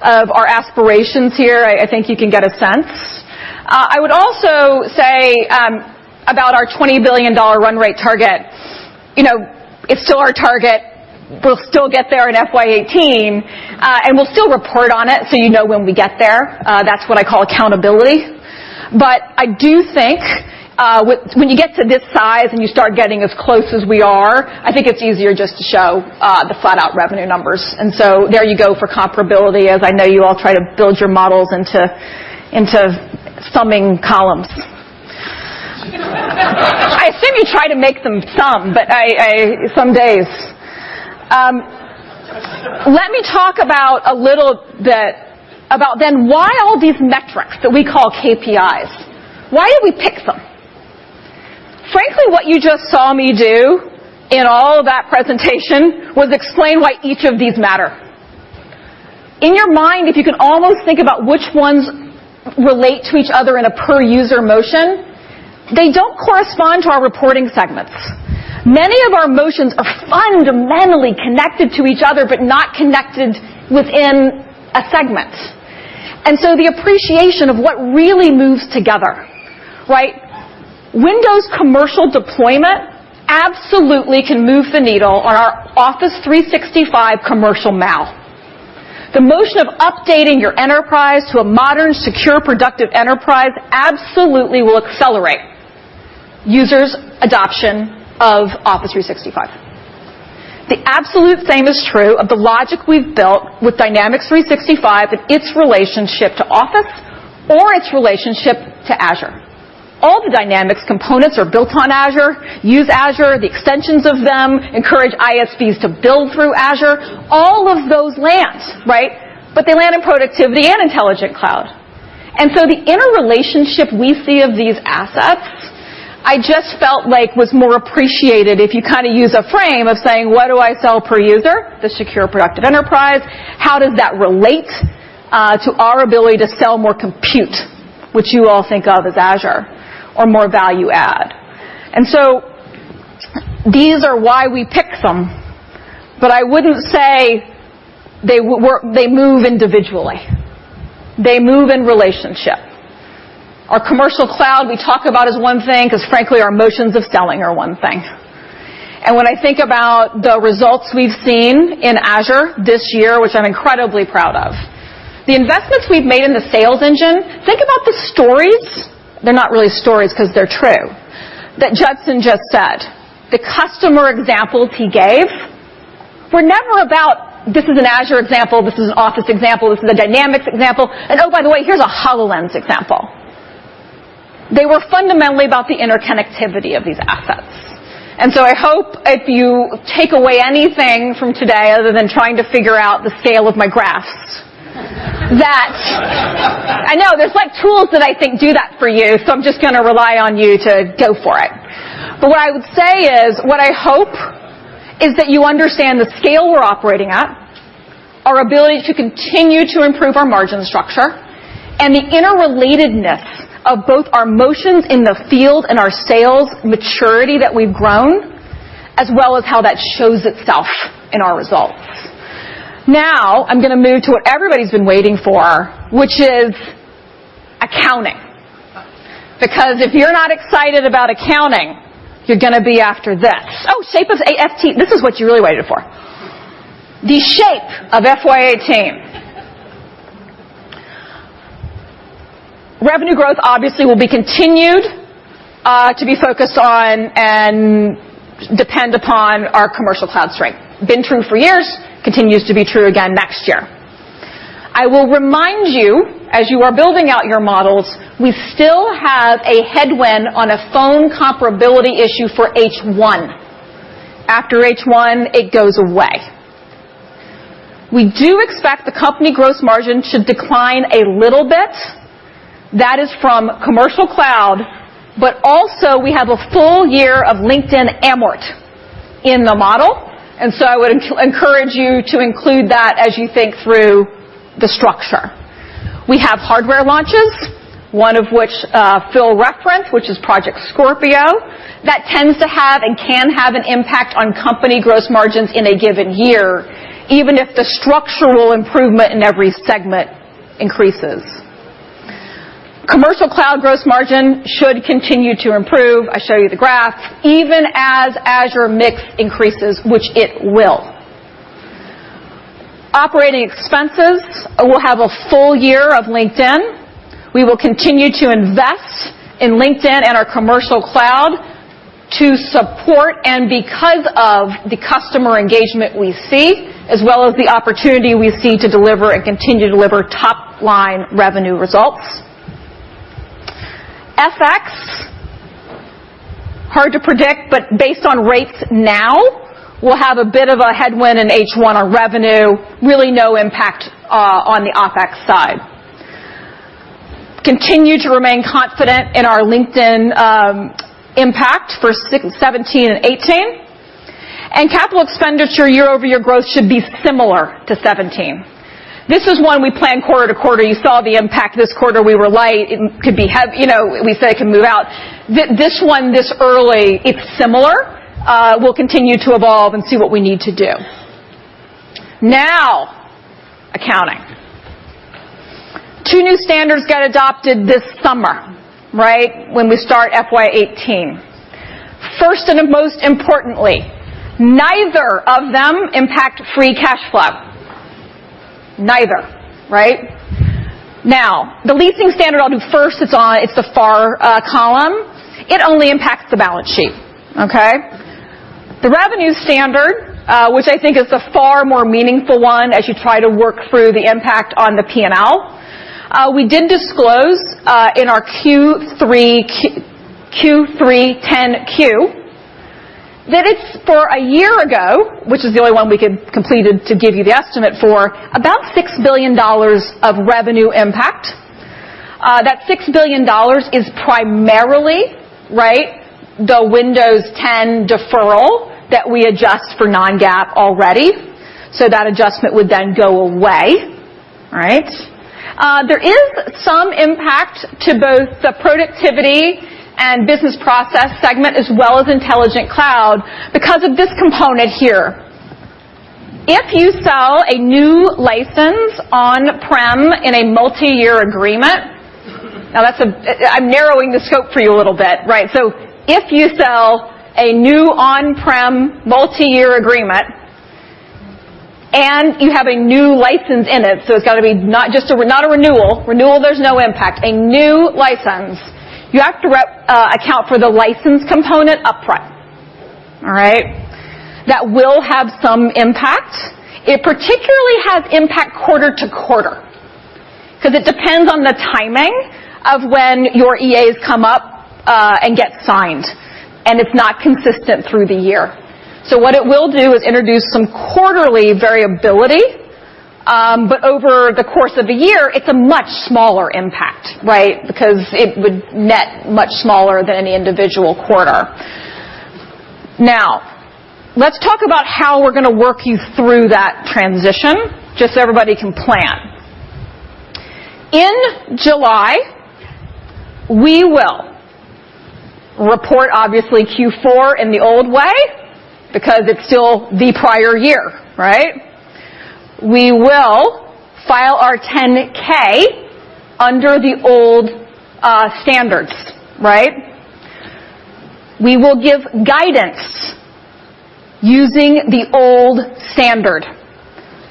of our aspirations here, I think you can get a sense. I would also say about our $20 billion run rate target, it's still our target. We'll still get there in FY 2018, we'll still report on it, so you know when we get there. That's what I call accountability. I do think when you get to this size and you start getting as close as we are, I think it's easier just to show the flat-out revenue numbers. There you go for comparability, as I know you all try to build your models into summing columns. I assume you try to make them sum. Let me talk about a little bit about then why all these metrics that we call KPIs. Why do we pick them? Frankly, what you just saw me do in all of that presentation was explain why each of these matter. In your mind, if you can almost think about which ones relate to each other in a per-user motion, they don't correspond to our reporting segments. Many of our motions are fundamentally connected to each other, not connected within a segment. The appreciation of what really moves together. Windows commercial deployment absolutely can move the needle on our Office 365 commercial MAU. The motion of updating your enterprise to a modern, Secure Productive Enterprise absolutely will accelerate users' adoption of Office 365. The absolute same is true of the logic we've built with Dynamics 365 and its relationship to Office or its relationship to Azure. All the Dynamics components are built on Azure, use Azure, the extensions of them encourage ISVs to build through Azure, all of those land. They land in productivity and intelligent cloud. The interrelationship we see of these assets, I just felt like was more appreciated if you use a frame of saying, "What do I sell per user?" The Secure Productive Enterprise. How does that relate to our ability to sell more compute, which you all think of as Azure or more value add? These are why we pick them. I wouldn't say they move individually. They move in relationship. Our commercial cloud we talk about as one thing, because frankly, our motions of selling are one thing. When I think about the results we've seen in Azure this year, which I'm incredibly proud of, the investments we've made in the sales engine, think about the stories. They're not really stories because they're true, that Judson just said. The customer examples he gave were never about, this is an Azure example, this is an Office example, this is a Dynamics example, and oh, by the way, here's a HoloLens example. They were fundamentally about the interconnectivity of these assets. I hope if you take away anything from today, other than trying to figure out the scale of my graphs- that I know. There's tools that I think do that for you, so I'm just going to rely on you to go for it. What I would say is, what I hope is that you understand the scale we're operating at, our ability to continue to improve our margin structure, and the interrelatedness of both our motions in the field and our sales maturity that we've grown, as well as how that shows itself in our results. Now, I'm going to move to what everybody's been waiting for, which is accounting. Because if you're not excited about accounting, you're going to be after this. Oh, shape of FY 2018. This is what you really waited for. The shape of FY 2018. Revenue growth obviously will be continued to be focused on and depend upon our commercial cloud strength. Been true for years, continues to be true again next year. I will remind you, as you are building out your models, we still have a headwind on a phone comparability issue for H1. After H1, it goes away. We do expect the company gross margin should decline a little bit. That is from commercial cloud, but also we have a full year of LinkedIn amort in the model. I would encourage you to include that as you think through the structure. We have hardware launches, one of which Phil referenced, which is Project Scorpio. That tends to have and can have an impact on company gross margins in a given year, even if the structural improvement in every segment increases. Commercial Cloud gross margin should continue to improve, I showed you the graph, even as Azure mix increases, which it will. Operating expenses will have a full year of LinkedIn. We will continue to invest in LinkedIn and our Commercial Cloud to support and because of the customer engagement we see, as well as the opportunity we see to deliver and continue to deliver top-line revenue results. FX, hard to predict, but based on rates now, we will have a bit of a headwind in H1 on revenue, really no impact on the OpEx side. Continue to remain confident in our LinkedIn impact for 2017 and 2018. Capital expenditure year-over-year growth should be similar to 2017. This is one we plan quarter-to-quarter. You saw the impact this quarter. We were light. We say it can move out. This one, this early, it is similar. We will continue to evolve and see what we need to do. Accounting. Two new standards get adopted this summer, right, when we start FY 2018. Most importantly, neither of them impact free cash flow. Neither, right? The leasing standard I will do first, it is the far column. It only impacts the balance sheet. Okay? The revenue standard, which I think is the far more meaningful one as you try to work through the impact on the P&L, we did disclose, in our Q3 Form 10-Q, that it is for a year ago, which is the only one we could complete to give you the estimate for, about $6 billion of revenue impact. That $6 billion is primarily, right, the Windows 10 deferral that we adjust for non-GAAP already. That adjustment would then go away, right? There is some impact to both the Productivity and Business Process segment as well as Intelligent Cloud because of this component here. If you sell a new license on-prem in a multiyear agreement, I am narrowing the scope for you a little bit, right? If you sell a new on-prem multiyear agreement and you have a new license in it, so it has to be not a renewal. Renewal, there is no impact. A new license. You have to account for the license component up front. All right? That will have some impact. It particularly has impact quarter-to-quarter, because it depends on the timing of when your EAs come up and get signed, and it is not consistent through the year. What it will do is introduce some quarterly variability, but over the course of a year, it is a much smaller impact, right, because it would net much smaller than any individual quarter. Let us talk about how we are going to work you through that transition, just so everybody can plan. In July, we will report, obviously, Q4 in the old way because it is still the prior year, right? We will file our Form 10-K under the old standards, right? We will give guidance using the old standard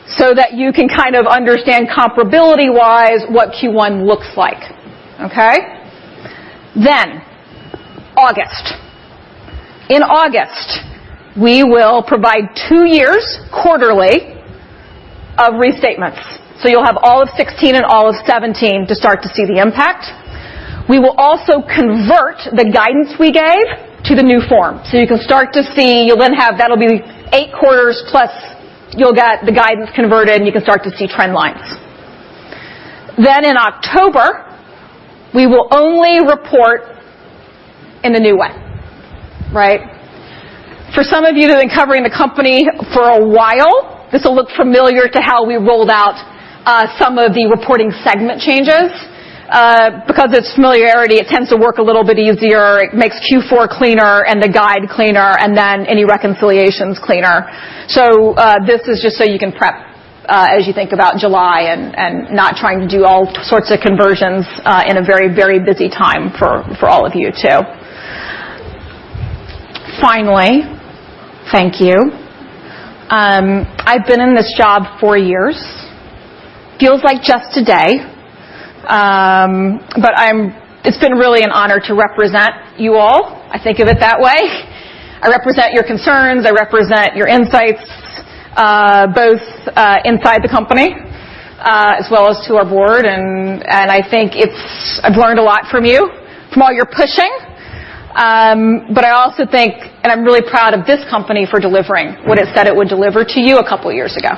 so that you can kind of understand comparability-wise what Q1 looks like. Okay. August. In August, we will provide 2 years quarterly of restatements. You'll have all of 2016 and all of 2017 to start to see the impact. We will also convert the guidance we gave to the new form. You can start to see, that'll be 8 quarters plus you'll get the guidance converted, and you can start to see trend lines. In October, we will only report in the new way, right. For some of you who've been covering the company for a while, this will look familiar to how we rolled out some of the reporting segment changes. It's familiarity, it tends to work a little bit easier. It makes Q4 cleaner and the guide cleaner, any reconciliations cleaner. This is just so you can prep as you think about July and not trying to do all sorts of conversions in a very busy time for all of you, too. Finally, thank you. I've been in this job 4 years. Feels like just today. It's been really an honor to represent you all. I think of it that way. I represent your concerns, I represent your insights, both inside the company as well as to our board, I think I've learned a lot from you, from all your pushing. I also think, I'm really proud of this company for delivering what it said it would deliver to you a couple of years ago.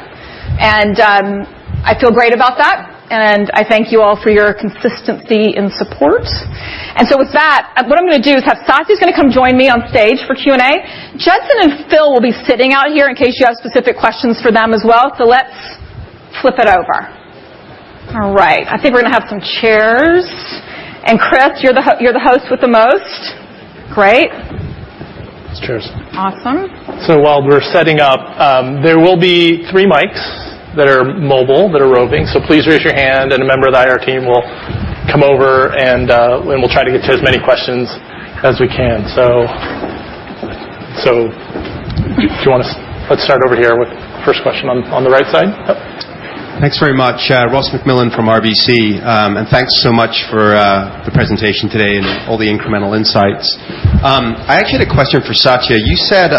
I feel great about that, I thank you all for your consistency and support. With that, what I'm going to do is have Satya is going to come join me on stage for Q&A. Judson and Phil will be sitting out here in case you have specific questions for them as well. Let's flip it over. All right. I think we're going to have some chairs. Chris, you're the host with the most. Great. Cheers. Awesome. While we're setting up, there will be 3 mics that are mobile, that are roving. Please raise your hand and a member of the IR team will come over, and we'll try to get to as many questions as we can. Let's start over here with the first question on the right side. Yep. Thanks very much. Ross MacMillan from RBC. Thanks so much for the presentation today and all the incremental insights. I actually had a question for Satya. You said,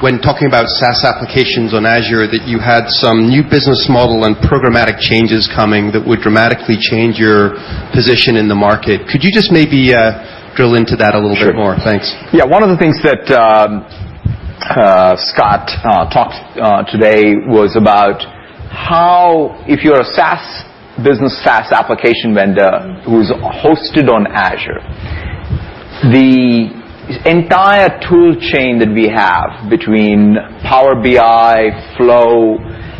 when talking about SaaS applications on Azure, that you had some new business model and programmatic changes coming that would dramatically change your position in the market. Could you just maybe drill into that a little bit more? Sure. Thanks. Yeah. One of the things that Scott talked today was about how if you're a business SaaS application vendor who's hosted on Azure, the entire tool chain that we have between Power BI, Flow,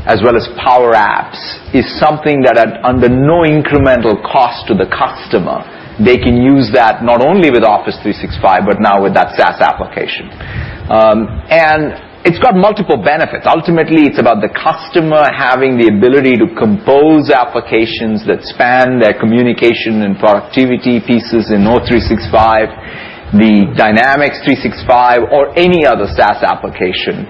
as well as Power Apps, is something that at under no incremental cost to the customer, they can use that not only with Office 365, but now with that SaaS application. It's got multiple benefits. Ultimately, it's about the customer having the ability to compose applications that span their communication and productivity pieces in O 365, the Dynamics 365, or any other SaaS application.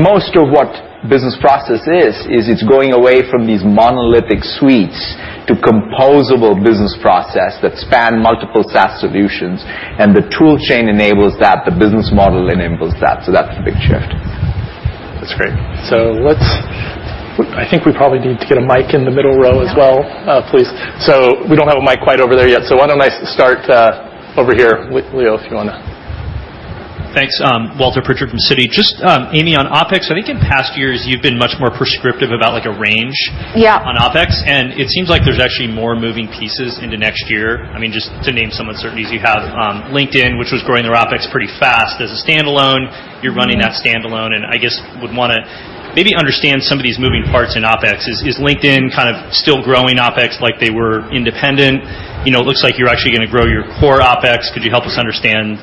Most of what business process is it's going away from these monolithic suites to composable business process that span multiple SaaS solutions, the tool chain enables that, the business model enables that. That's a big shift. That's great. I think we probably need to get a mic in the middle row as well, please. We don't have a mic quite over there yet, why don't I start over here with Leo, if you wanna. Thanks. Walter Pritchard from Citi. Just, Amy, on OpEx, I think in past years, you've been much more prescriptive about like a range- Yeah on OpEx. It seems like there's actually more moving pieces into next year. Just to name some uncertainties, you have LinkedIn, which was growing their OpEx pretty fast. As a standalone, you're running that standalone, and I guess would want to maybe understand some of these moving parts in OpEx. Is LinkedIn kind of still growing OpEx like they were independent? It looks like you're actually going to grow your core OpEx. Could you help us understand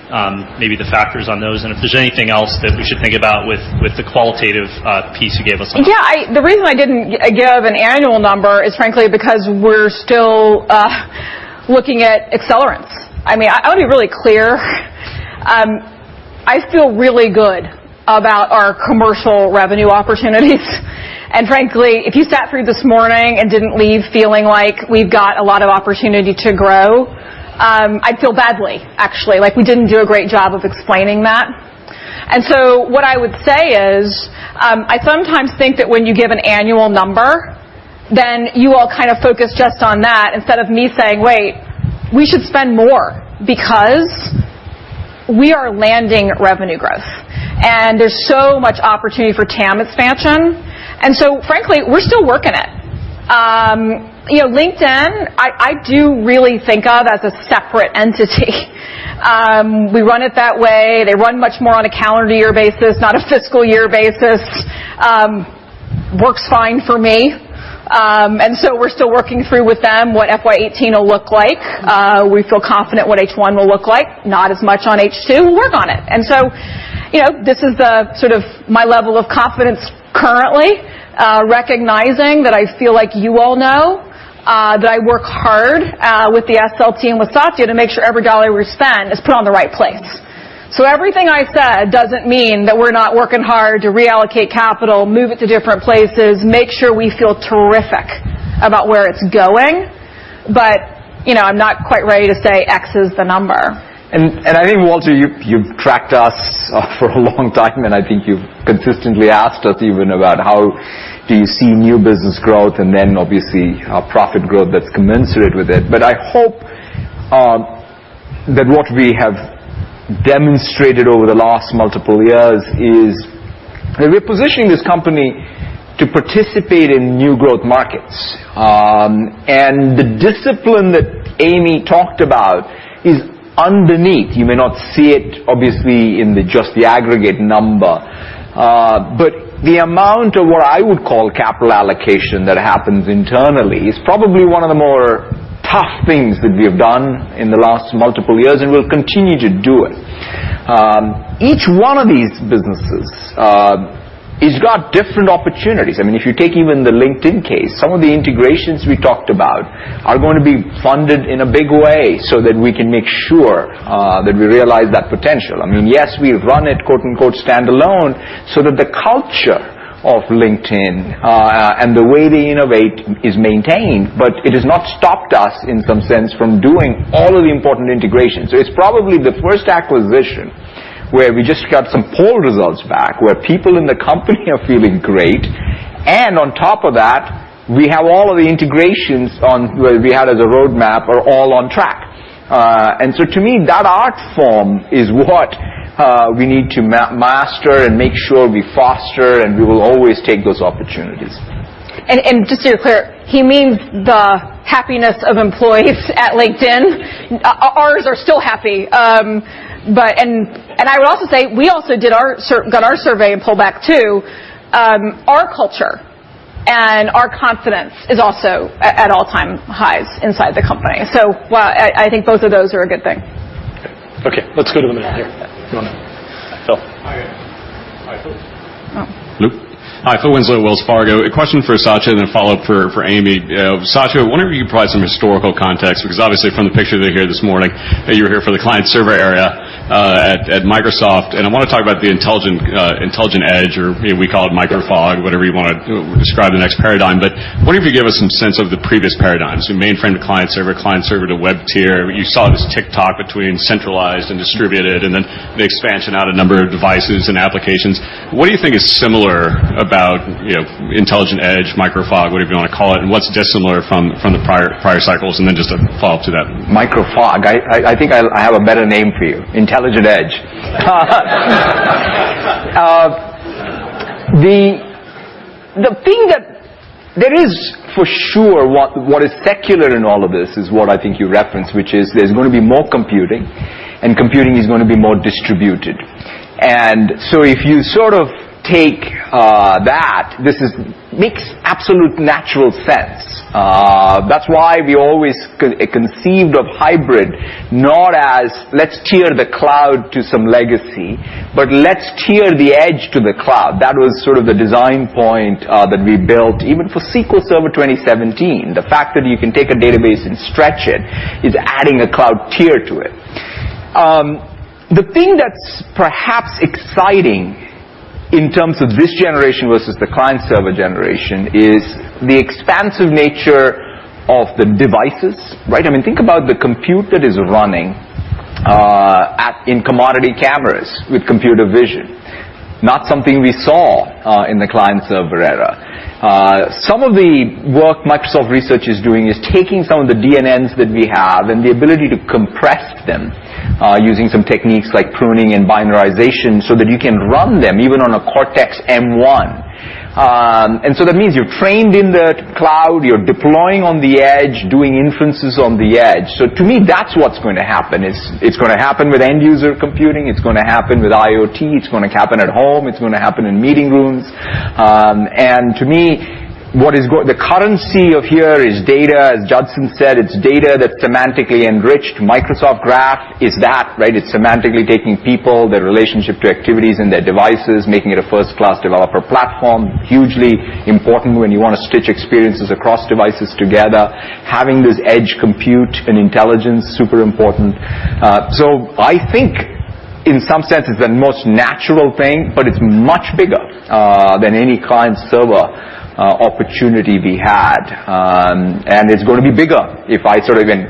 maybe the factors on those? If there's anything else that we should think about with the qualitative piece you gave us on that. Yeah. The reason I didn't give an annual number is frankly because we're still looking at accelerants. I want to be really clear. I feel really good about our commercial revenue opportunities. Frankly, if you sat through this morning and didn't leave feeling like we've got a lot of opportunity to grow, I'd feel badly, actually, like we didn't do a great job of explaining that. What I would say is, I sometimes think that when you give an annual number, then you all kind of focus just on that instead of me saying, "Wait, we should spend more because we are landing revenue growth." There's so much opportunity for TAM expansion. Frankly, we're still working it. LinkedIn, I do really think of as a separate entity. We run it that way. They run much more on a calendar year basis, not a fiscal year basis. Works fine for me. We're still working through with them what FY 2018 will look like. We feel confident what H1 will look like, not as much on H2. We'll work on it. This is the sort of my level of confidence currently, recognizing that I feel like you all know, that I work hard, with the SL team, with Satya, to make sure every dollar we spend is put on the right place. Everything I've said doesn't mean that we're not working hard to reallocate capital, move it to different places, make sure we feel terrific about where it's going. I'm not quite ready to say X is the number. I think, Walter, you've tracked us for a long time, and I think you've consistently asked us even about how do you see new business growth and then obviously profit growth that's commensurate with it. I hope that what we have demonstrated over the last multiple years is that we're positioning this company to participate in new growth markets. The discipline that Amy talked about is underneath. You may not see it, obviously, in just the aggregate number. The amount of what I would call capital allocation that happens internally is probably one of the more tough things that we have done in the last multiple years, and we'll continue to do it. Each one of these businesses has got different opportunities. If you take even the LinkedIn case, some of the integrations we talked about are going to be funded in a big way so that we can make sure that we realize that potential. Yes, we run it quote unquote "standalone" so that the culture of LinkedIn, and the way they innovate is maintained. It has not stopped us, in some sense, from doing all of the important integrations. It is probably the first acquisition where we just got some poll results back, where people in the company are feeling great, and on top of that, we have all of the integrations we had as a roadmap are all on track. To me, that art form is what we need to master and make sure we foster, and we will always take those opportunities. Just to be clear, he means the happiness of employees at LinkedIn. Ours are still happy. I would also say we also got our survey and pullback too. Our culture and our confidence is also at all-time highs inside the company. I think both of those are a good thing. Okay. Let's go to the middle here. You want to Phil. Hi, Phil. Oh. Luke. Hi, Phil Winslow, Wells Fargo. A question for Satya, then a follow-up for Amy. Satya, I wonder if you could provide some historical context, because obviously from the picture here this morning, you were here for the client-server era at Microsoft, I want to talk about the intelligent edge, or we call it micro fog, whatever you want to describe the next paradigm. I wonder if you give us some sense of the previous paradigms, mainframe to client-server, client-server to web tier. You saw this tick-tock between centralized and distributed, then the expansion out a number of devices and applications. What do you think is similar about intelligent edge, micro fog, whatever you want to call it, and what's dissimilar from the prior cycles? Then just a follow-up to that. Micro fog. I think I have a better name for you, intelligent edge. There is for sure what is secular in all of this is what I think you referenced, which is there's going to be more computing is going to be more distributed. If you take that, this makes absolute natural sense. That's why we always conceived of hybrid not as let's tier the cloud to some legacy, but let's tier the edge to the cloud. That was sort of the design point that we built even for SQL Server 2017. The fact that you can take a database and stretch it is adding a cloud tier to it. The thing that's perhaps exciting in terms of this generation versus the client-server generation is the expansive nature of the devices, right? I mean, think about the compute that is running in commodity cameras with computer vision. Not something we saw in the client-server era. Some of the work Microsoft Research is doing is taking some of the DNNs that we have and the ability to compress them using some techniques like pruning and binarization so that you can run them even on a Cortex-M1. That means you're trained in the cloud, you're deploying on the edge, doing inferences on the edge. To me, that's what's going to happen. It's going to happen with end user computing. It's going to happen with IoT. It's going to happen at home. It's going to happen in meeting rooms. To me, the currency of here is data. As Judson said, it's data that's semantically enriched. Microsoft Graph is that, right? It's semantically taking people, their relationship to activities and their devices, making it a first-class developer platform. Hugely important when you want to stitch experiences across devices together, having this edge compute and intelligence, super important. I think in some sense, it's the most natural thing, but it's much bigger than any client-server opportunity we had. It's going to be bigger if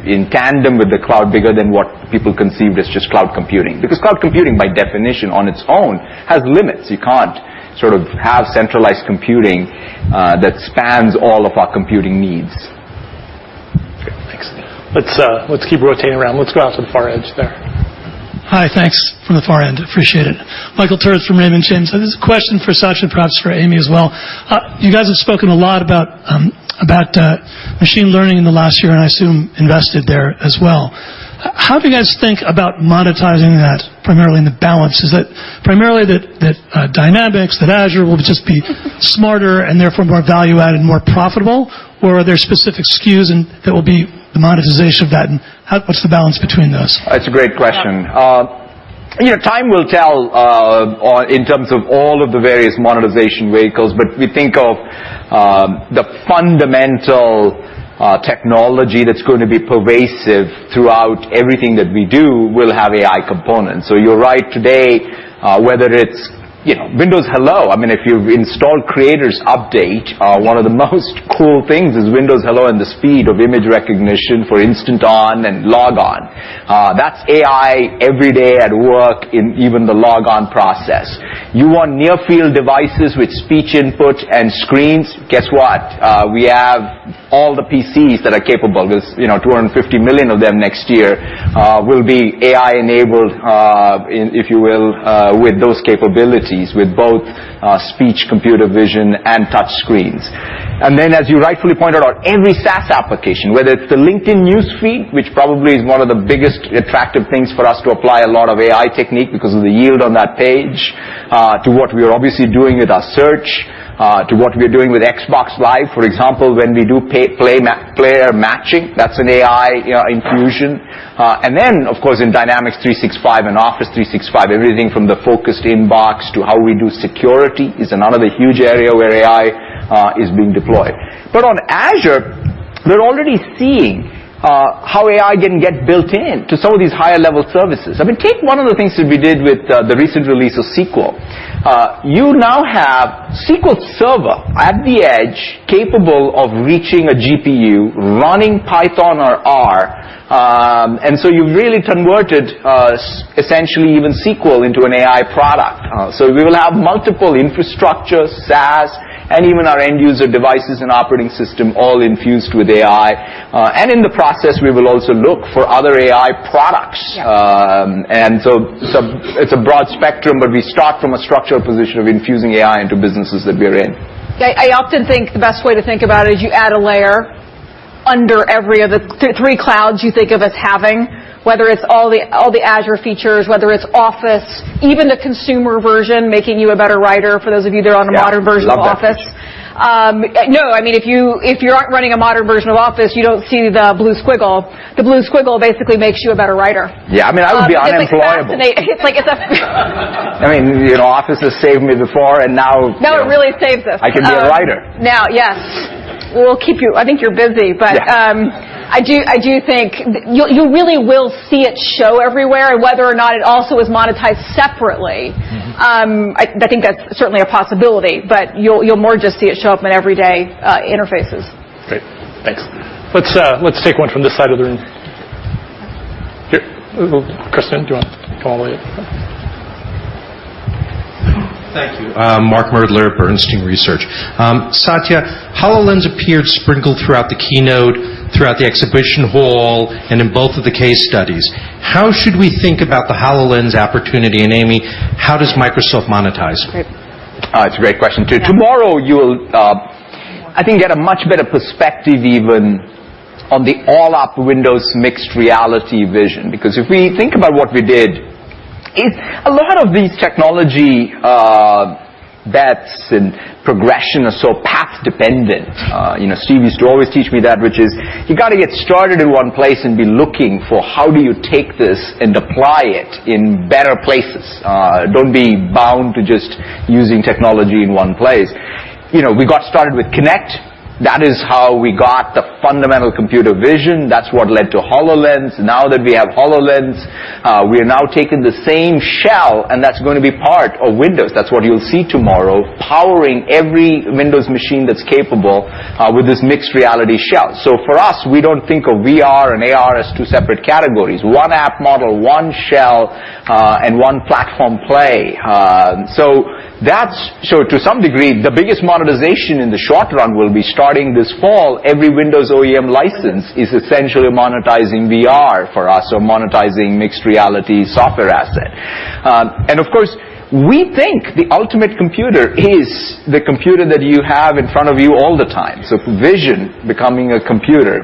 in tandem with the cloud, bigger than what people conceived as just cloud computing. Because cloud computing, by definition, on its own, has limits. You can't have centralized computing that spans all of our computing needs. Okay, thanks. Let's keep rotating around. Let's go out to the far edge there. Hi, thanks from the far end. Appreciate it. Michael Turrin from Raymond James. This is a question for Satya, and perhaps for Amy as well. You guys have spoken a lot about machine learning in the last year, and I assume invested there as well. How do you guys think about monetizing that primarily in the balance? Is it primarily that Dynamics, that Azure will just be smarter and therefore more value add and more profitable? Or are there specific SKUs and that will be the monetization of that, and what's the balance between those? That's a great question. Time will tell in terms of all of the various monetization vehicles, but we think of the fundamental technology that's going to be pervasive throughout everything that we do will have AI components. You're right, today, whether it's Windows Hello, if you've installed Creators Update, one of the most cool things is Windows Hello and the speed of image recognition for instant on and log on. That's AI every day at work in even the log on process. You want near-field devices with speech input and screens, guess what? We have all the PCs that are capable. There's 250 million of them next year will be AI enabled, if you will, with those capabilities, with both speech, computer vision, and touch screens. As you rightfully pointed out, every SaaS application, whether it's the LinkedIn news feed, which probably is one of the biggest attractive things for us to apply a lot of AI technique because of the yield on that page, to what we are obviously doing with our search, to what we are doing with Xbox Live, for example, when we do player matching, that's an AI infusion. Of course, in Dynamics 365 and Office 365, everything from the focused inbox to how we do security is another huge area where AI is being deployed. On Azure, we're already seeing how AI can get built in to some of these higher level services. I mean, take one of the things that we did with the recent release of SQL. You now have SQL Server at the edge capable of reaching a GPU running Python or R, you've really converted essentially even SQL into an AI product. We will have multiple infrastructures, SaaS, and even our end user devices and operating system all infused with AI. In the process, we will also look for other AI products. Yes. It's a broad spectrum, we start from a structural position of infusing AI into businesses that we are in. I often think the best way to think about it is you add a layer under every of the three clouds you think of us having, whether it's all the Azure features, whether it's Office, even the consumer version, making you a better writer, for those of you that are on a modern version of Office. Yeah, love that feature. No, if you aren't running a modern version of Office, you don't see the blue squiggle. The blue squiggle basically makes you a better writer. Yeah, I would be unemployable. It's like it. It's like it's. Office has saved me before, and now. Now it really saves us. I can be a writer. Now, yes. We'll keep you. I think you're busy. Yeah I do think you really will see it show everywhere, whether or not it also is monetized separately. I think that's certainly a possibility, but you'll more just see it show up in everyday interfaces. Great. Thanks. Let's take one from this side of the room. Here. Kristen, do you want to come all the way up? Thank you. Mark Moerdler, Bernstein Research. Satya, HoloLens appeared sprinkled throughout the keynote, throughout the exhibition hall, and in both of the case studies. How should we think about the HoloLens opportunity? Amy, how does Microsoft monetize it? It's a great question, too. Tomorrow, you'll, I think, get a much better perspective even on the all-up Windows mixed reality vision. If we think about what we did, a lot of these technology bets and progression are so path-dependent. Steve used to always teach me that, which is you got to get started in one place and be looking for how do you take this and apply it in better places. Don't be bound to just using technology in one place. We got started with Kinect. That is how we got the fundamental computer vision. That's what led to HoloLens. Now that we have HoloLens, we are now taking the same shell, that's going to be part of Windows. That's what you'll see tomorrow, powering every Windows machine that's capable with this mixed reality shell. For us, we don't think of VR and AR as two separate categories. One app model, one shell, one platform play. To some degree, the biggest monetization in the short run will be starting this fall. Every Windows OEM license is essentially monetizing VR for us or monetizing mixed reality software asset. Of course, we think the ultimate computer is the computer that you have in front of you all the time. Vision becoming a computer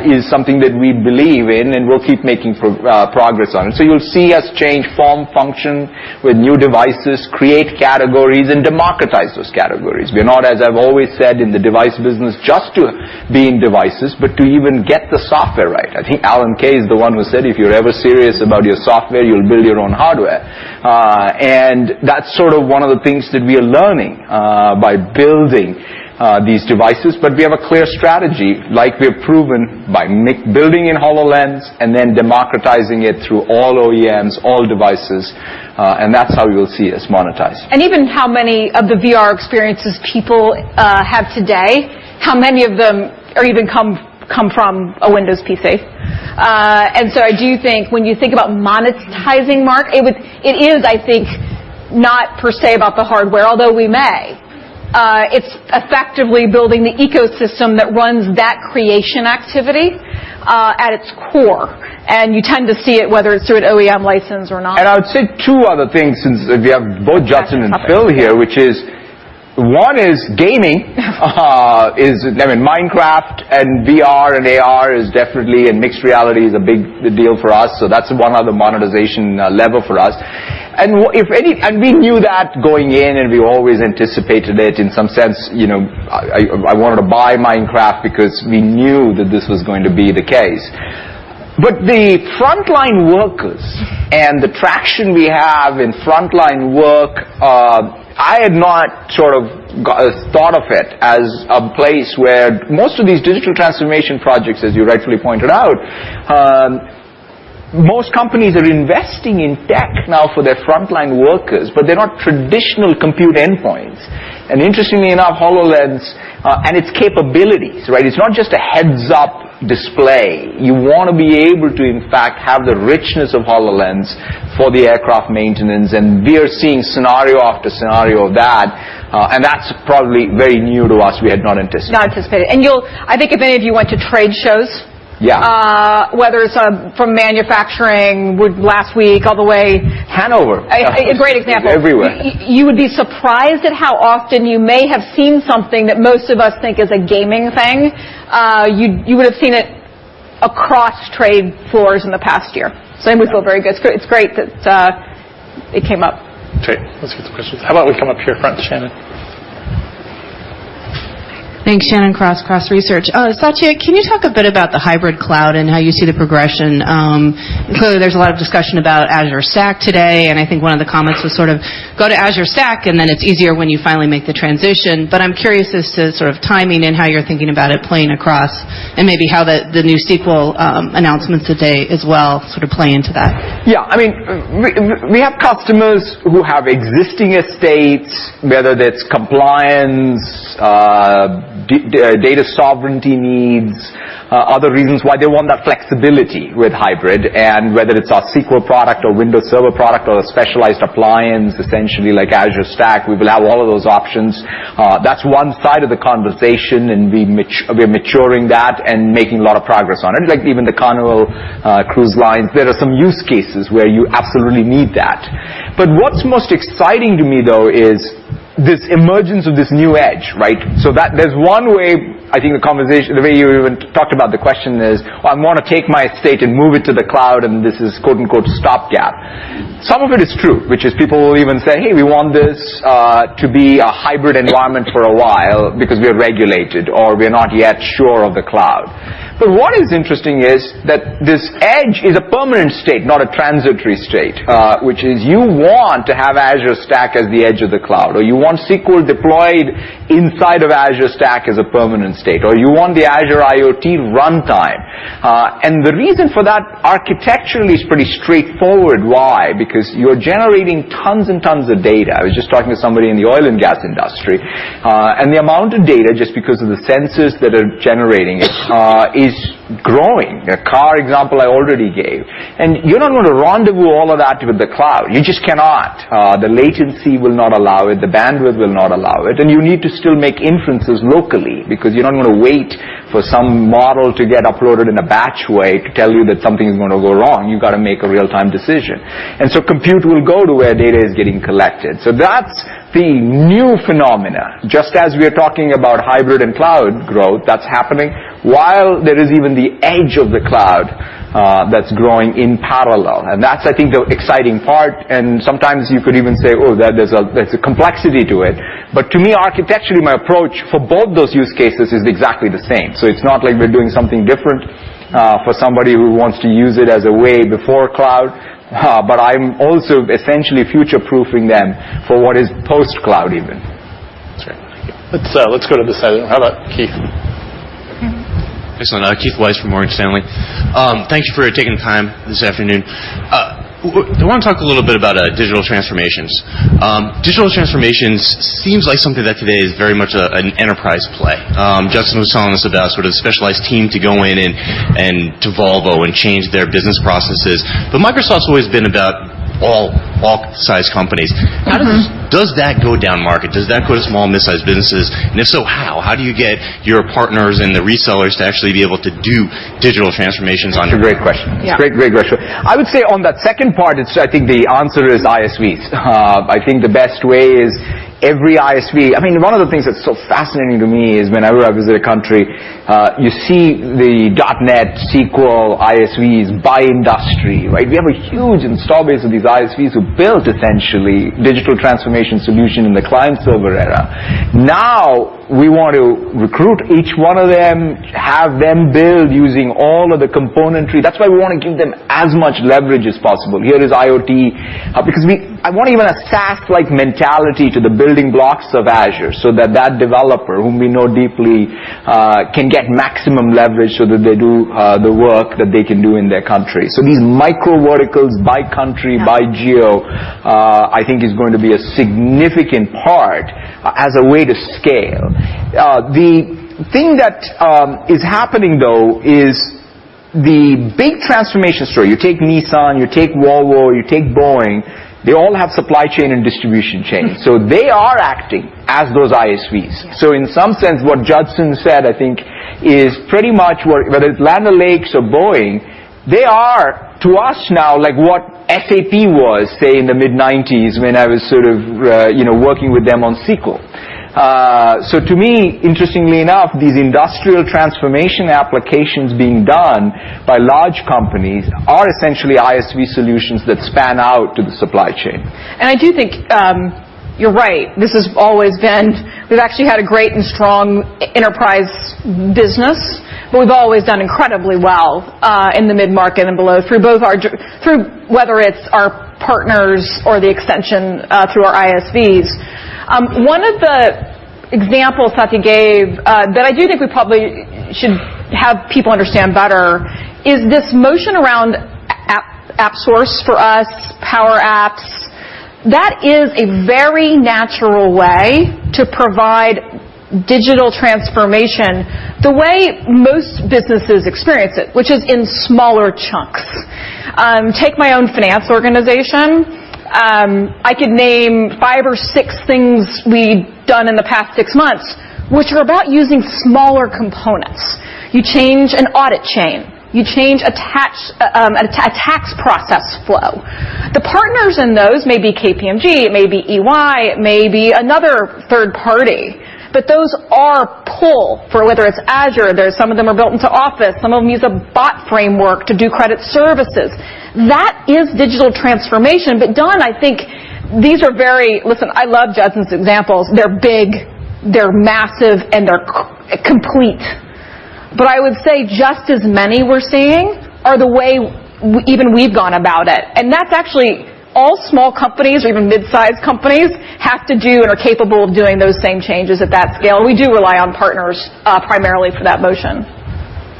is something that we believe in, we'll keep making progress on. You'll see us change form, function with new devices, create categories, democratize those categories. We're not, as I've always said, in the device business just to being devices, but to even get the software right. I think Alan Kay is the one who said, "If you're ever serious about your software, you'll build your own hardware." That's sort of one of the things that we are learning by building these devices. We have a clear strategy, like we've proven by building in HoloLens and then democratizing it through all OEMs, all devices, that's how you will see us monetize. How many of the VR experiences people have today, how many of them even come from a Windows PC? I do think when you think about monetizing, Mark, it is, I think, not per se about the hardware, although we may. It's effectively building the ecosystem that runs that creation activity at its core, and you tend to see it whether it's through an OEM license or not. I would say two other things, since we have both Judson and Phil here, which is, one is gaming. Minecraft and VR and AR is definitely, and mixed reality is a big deal for us, so that's one other monetization level for us. We knew that going in, and we always anticipated it in some sense. I wanted to buy Minecraft because we knew that this was going to be the case. The frontline workers and the traction we have in frontline work, I had not sort of thought of it as a place where most of these digital transformation projects, as you rightfully pointed out, most companies are investing in tech now for their frontline workers, but they're not traditional compute endpoints. Interestingly enough, HoloLens and its capabilities, it's not just a heads-up display. You want to be able to, in fact, have the richness of HoloLens for the aircraft maintenance, and we are seeing scenario after scenario of that, and that's probably very new to us. We had not anticipated. Not anticipated. I think if any of you went to trade shows. Yeah whether it's from manufacturing last week. Hannover A great example. Everywhere. You would be surprised at how often you may have seen something that most of us think is a gaming thing. You would have seen it across trade floors in the past year. We feel very good. It's great that it came up. Okay, let's get some questions. How about we come up here front, Shannon? Thanks. Shannon Cross, Cross Research. Satya, can you talk a bit about the hybrid cloud and how you see the progression? Clearly, there's a lot of discussion about Azure Stack today, and I think one of the comments was sort of go to Azure Stack, and then it's easier when you finally make the transition. I'm curious as to sort of timing and how you're thinking about it playing across and maybe how the new SQL announcements today as well sort of play into that. Yeah. We have customers who have existing estates, whether that's compliance, data sovereignty needs, other reasons why they want that flexibility with hybrid, and whether it's our SQL product or Windows Server product or a specialized appliance, essentially like Azure Stack, we will have all of those options. That's one side of the conversation, and we're maturing that and making a lot of progress on it. Like even the Carnival Cruise Line, there are some use cases where you absolutely need that. What's most exciting to me, though, is this emergence of this new edge. There's one way, I think, the way you even talked about the question is, I want to take my estate and move it to the cloud, and this is quote-unquote stopgap. Some of it is true, which is people will even say, "Hey, we want this to be a hybrid environment for a while because we are regulated, or we are not yet sure of the cloud." What is interesting is that this edge is a permanent state, not a transitory state, which is you want to have Azure Stack as the edge of the cloud, or you want SQL deployed inside of Azure Stack as a permanent state, or you want the Azure IoT runtime. The reason for that, architecturally, is pretty straightforward why. Because you're generating tons and tons of data. I was just talking to somebody in the oil and gas industry, and the amount of data, just because of the sensors that are generating it, is growing. A car example I already gave. You're not going to rendezvous all of that with the cloud. You just cannot. The latency will not allow it, the bandwidth will not allow it, you need to still make inferences locally because you're not going to wait for some model to get uploaded in a batch way to tell you that something is going to go wrong. You've got to make a real-time decision. Compute will go to where data is getting collected. That's the new phenomena. Just as we are talking about hybrid and cloud growth, that's happening while there is even the edge of the cloud that's growing in parallel. That's, I think, the exciting part, and sometimes you could even say, oh, that there's a complexity to it. To me, architecturally, my approach for both those use cases is exactly the same. It's not like we're doing something different for somebody who wants to use it as a way before cloud, but I'm also essentially future-proofing them for what is post-cloud even. That's right. Let's go to this side. How about Keith? Excellent. Keith Weiss from Morgan Stanley. Thank you for taking the time this afternoon. I want to talk a little bit about digital transformations. Digital transformations seems like something that today is very much an enterprise play. Judson was telling us about sort of specialized team to go in and to Volvo and change their business processes, but Microsoft's always been about all size companies. How does that go down market? Does that go to small and midsize businesses? If so, how? How do you get your partners and the resellers to actually be able to do digital transformations on your- That's a great question. Yeah. It's a great question. I think the answer is ISVs. I think the best way is every ISV. One of the things that's so fascinating to me is whenever I visit a country you see the .NET, SQL, ISVs by industry, right? We have a huge install base of these ISVs who built, essentially, digital transformation solution in the client-server era. Now, we want to recruit each one of them, have them build using all of the componentry. That's why we want to give them as much leverage as possible. Here is IoT. Because I want even a SaaS-like mentality to the building blocks of Azure so that that developer, whom we know deeply, can get maximum leverage so that they do the work that they can do in their country. These micro verticals by country- Yeah by geo, I think is going to be a significant part as a way to scale. The thing that is happening though is the big transformation story. You take Nissan, you take Volvo, you take Boeing, they all have supply chain and distribution chains. They are acting as those ISVs. Yeah. In some sense, what Judson said, I think, is pretty much whether it's Land O'Lakes or Boeing, they are, to us now, like what SAP was, say, in the mid-'90s when I was sort of working with them on SQL. To me, interestingly enough, these industrial transformation applications being done by large companies are essentially ISV solutions that span out to the supply chain. I do think you're right. We've actually had a great and strong enterprise business, but we've always done incredibly well in the mid-market and below through whether it's our partners or the extension through our ISVs. One of the examples Satya gave, that I do think we probably should have people understand better, is this motion around AppSource for us, Power Apps. That is a very natural way to provide digital transformation the way most businesses experience it, which is in smaller chunks. Take my own finance organization. I could name five or six things we've done in the past six months which are about using smaller components. You change an audit chain. You change a tax process flow. The partners in those may be KPMG, it may be EY, it may be another third party, but those are pull for whether it's Azure, there's some of them are built into Office, some of them use a Bot Framework to do credit services. That is digital transformation. Listen, I love Judson's examples. They're big, they're massive, and they're complete. I would say just as many we're seeing are the way even we've gone about it, and that's actually all small companies or even midsize companies have to do and are capable of doing those same changes at that scale. We do rely on partners primarily for that motion.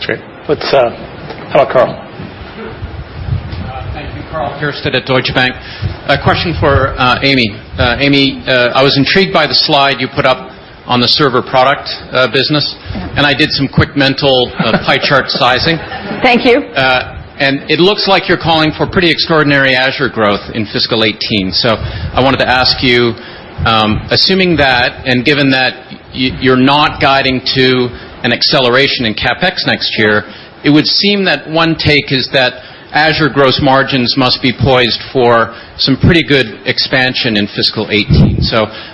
Great. Let's how about Karl? Thank you. Karl Keirstead at Deutsche Bank. A question for Amy. Amy, I was intrigued by the slide you put up on the server product business. Yeah. I did some quick mental pie chart sizing. Thank you. It looks like you're calling for pretty extraordinary Azure growth in FY 2018. I wanted to ask you, assuming that and given that you're not guiding to an acceleration in CapEx next year, it would seem that one take is that Azure gross margins must be poised for some pretty good expansion in FY 2018.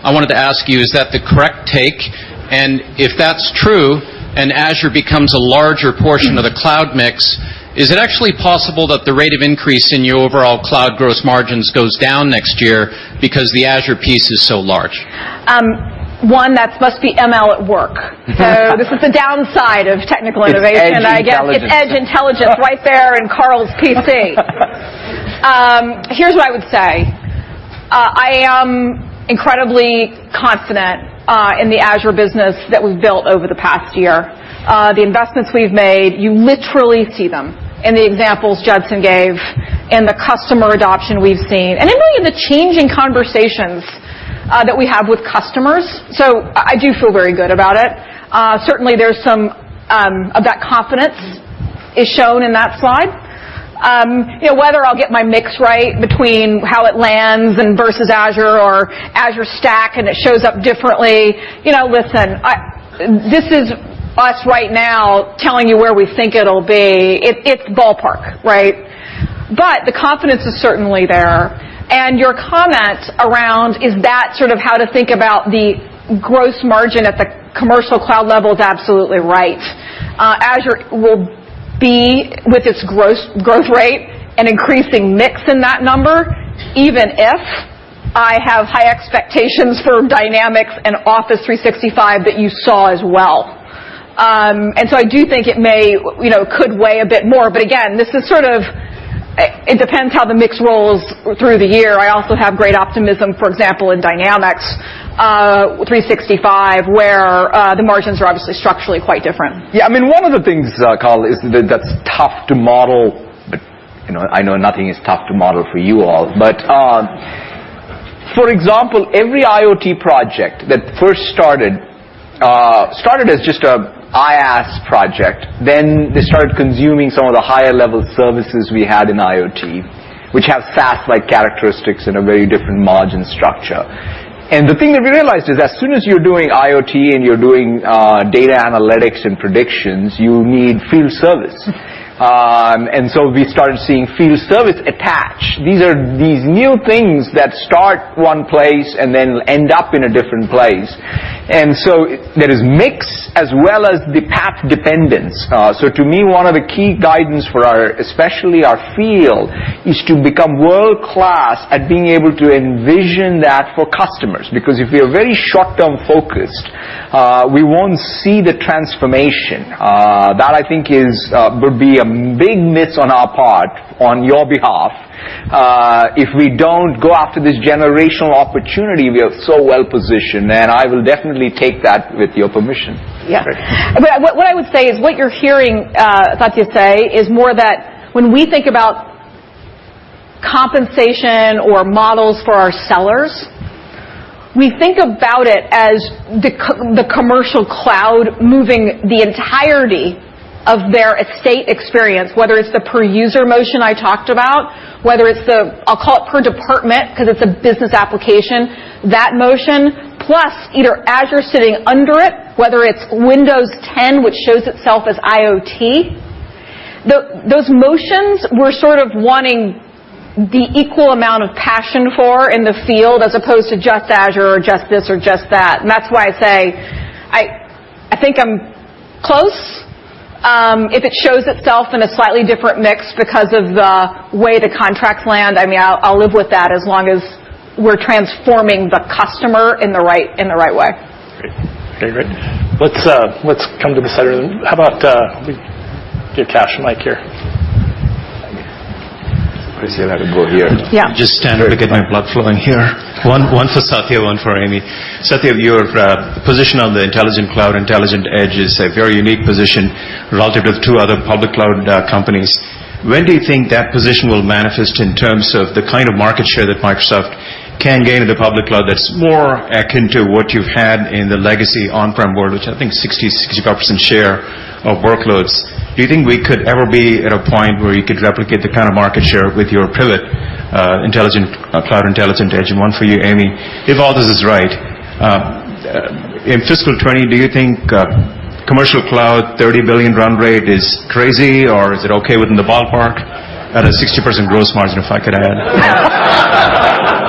I wanted to ask you, is that the correct take? If that's true and Azure becomes a larger portion of the cloud mix, is it actually possible that the rate of increase in your overall cloud gross margins goes down next year because the Azure piece is so large? One, that must be ML at work. This is the downside of technical innovation, I guess. It's edge intelligence. It's edge intelligence right there in Karl's PC. Here's what I would say. I am incredibly confident in the Azure business that we've built over the past year. The investments we've made, you literally see them in the examples Judson gave, in the customer adoption we've seen, and even in the changing conversations that we have with customers. I do feel very good about it. Certainly, there's some of that confidence is shown in that slide. Whether I'll get my mix right between how it lands and versus Azure or Azure Stack, and it shows up differently, listen, this is us right now telling you where we think it'll be. It's ballpark. The confidence is certainly there. Your comment around is that how to think about the gross margin at the commercial cloud level is absolutely right. Azure will be, with its growth rate, an increasing mix in that number, even if I have high expectations for Dynamics and Office 365 that you saw as well. I do think it could weigh a bit more. Again, it depends how the mix rolls through the year. I also have great optimism, for example, in Dynamics 365, where the margins are obviously structurally quite different. One of the things, Karl, that's tough to model, I know nothing is tough to model for you all. For example, every IoT project that first started as just an IaaS project. Then they started consuming some of the higher-level services we had in IoT, which have SaaS-like characteristics and a very different margin structure. The thing that we realized is as soon as you're doing IoT and you're doing data analytics and predictions, you need field service. We started seeing field service attach. These are these new things that start one place and then end up in a different place. There is mix as well as the path dependence. To me, one of the key guidance for especially our field is to become world-class at being able to envision that for customers. If we are very short-term focused, we won't see the transformation. That I think would be a big miss on our part on your behalf. If we don't go after this generational opportunity, we are so well-positioned, and I will definitely take that with your permission. Yeah. Great. What I would say is what you're hearing Satya say is more that when we think about compensation or models for our sellers, we think about it as the commercial cloud moving the entirety of their estate experience, whether it's the per-user motion I talked about, whether it's the, I'll call it per department because it's a business application, that motion, plus either Azure sitting under it, whether it's Windows 10, which shows itself as IoT. Those motions we're sort of wanting the equal amount of passion for in the field as opposed to just Azure or just this or just that. That's why I say I think I'm close. If it shows itself in a slightly different mix because of the way the contracts land, I'll live with that as long as we're transforming the customer in the right way. Great. Let's come to the center. How about we get Kash and Mike here? I see I have to go here. Yeah. Just standing, get my blood flowing here. One for Satya, one for Amy. Satya, your position on the intelligent cloud, intelligent edge is a very unique position relative to other public cloud companies. When do you think that position will manifest in terms of the kind of market share that Microsoft can gain in the public cloud that's more akin to what you've had in the legacy on-prem world, which I think 60%-65% share of workloads. Do you think we could ever be at a point where you could replicate the kind of market share with your pivot, intelligent cloud, intelligent edge? One for you, Amy. If all this is right, in fiscal 2020, do you think commercial cloud $30 billion run rate is crazy, or is it okay within the ballpark at a 60% gross margin, if I could add?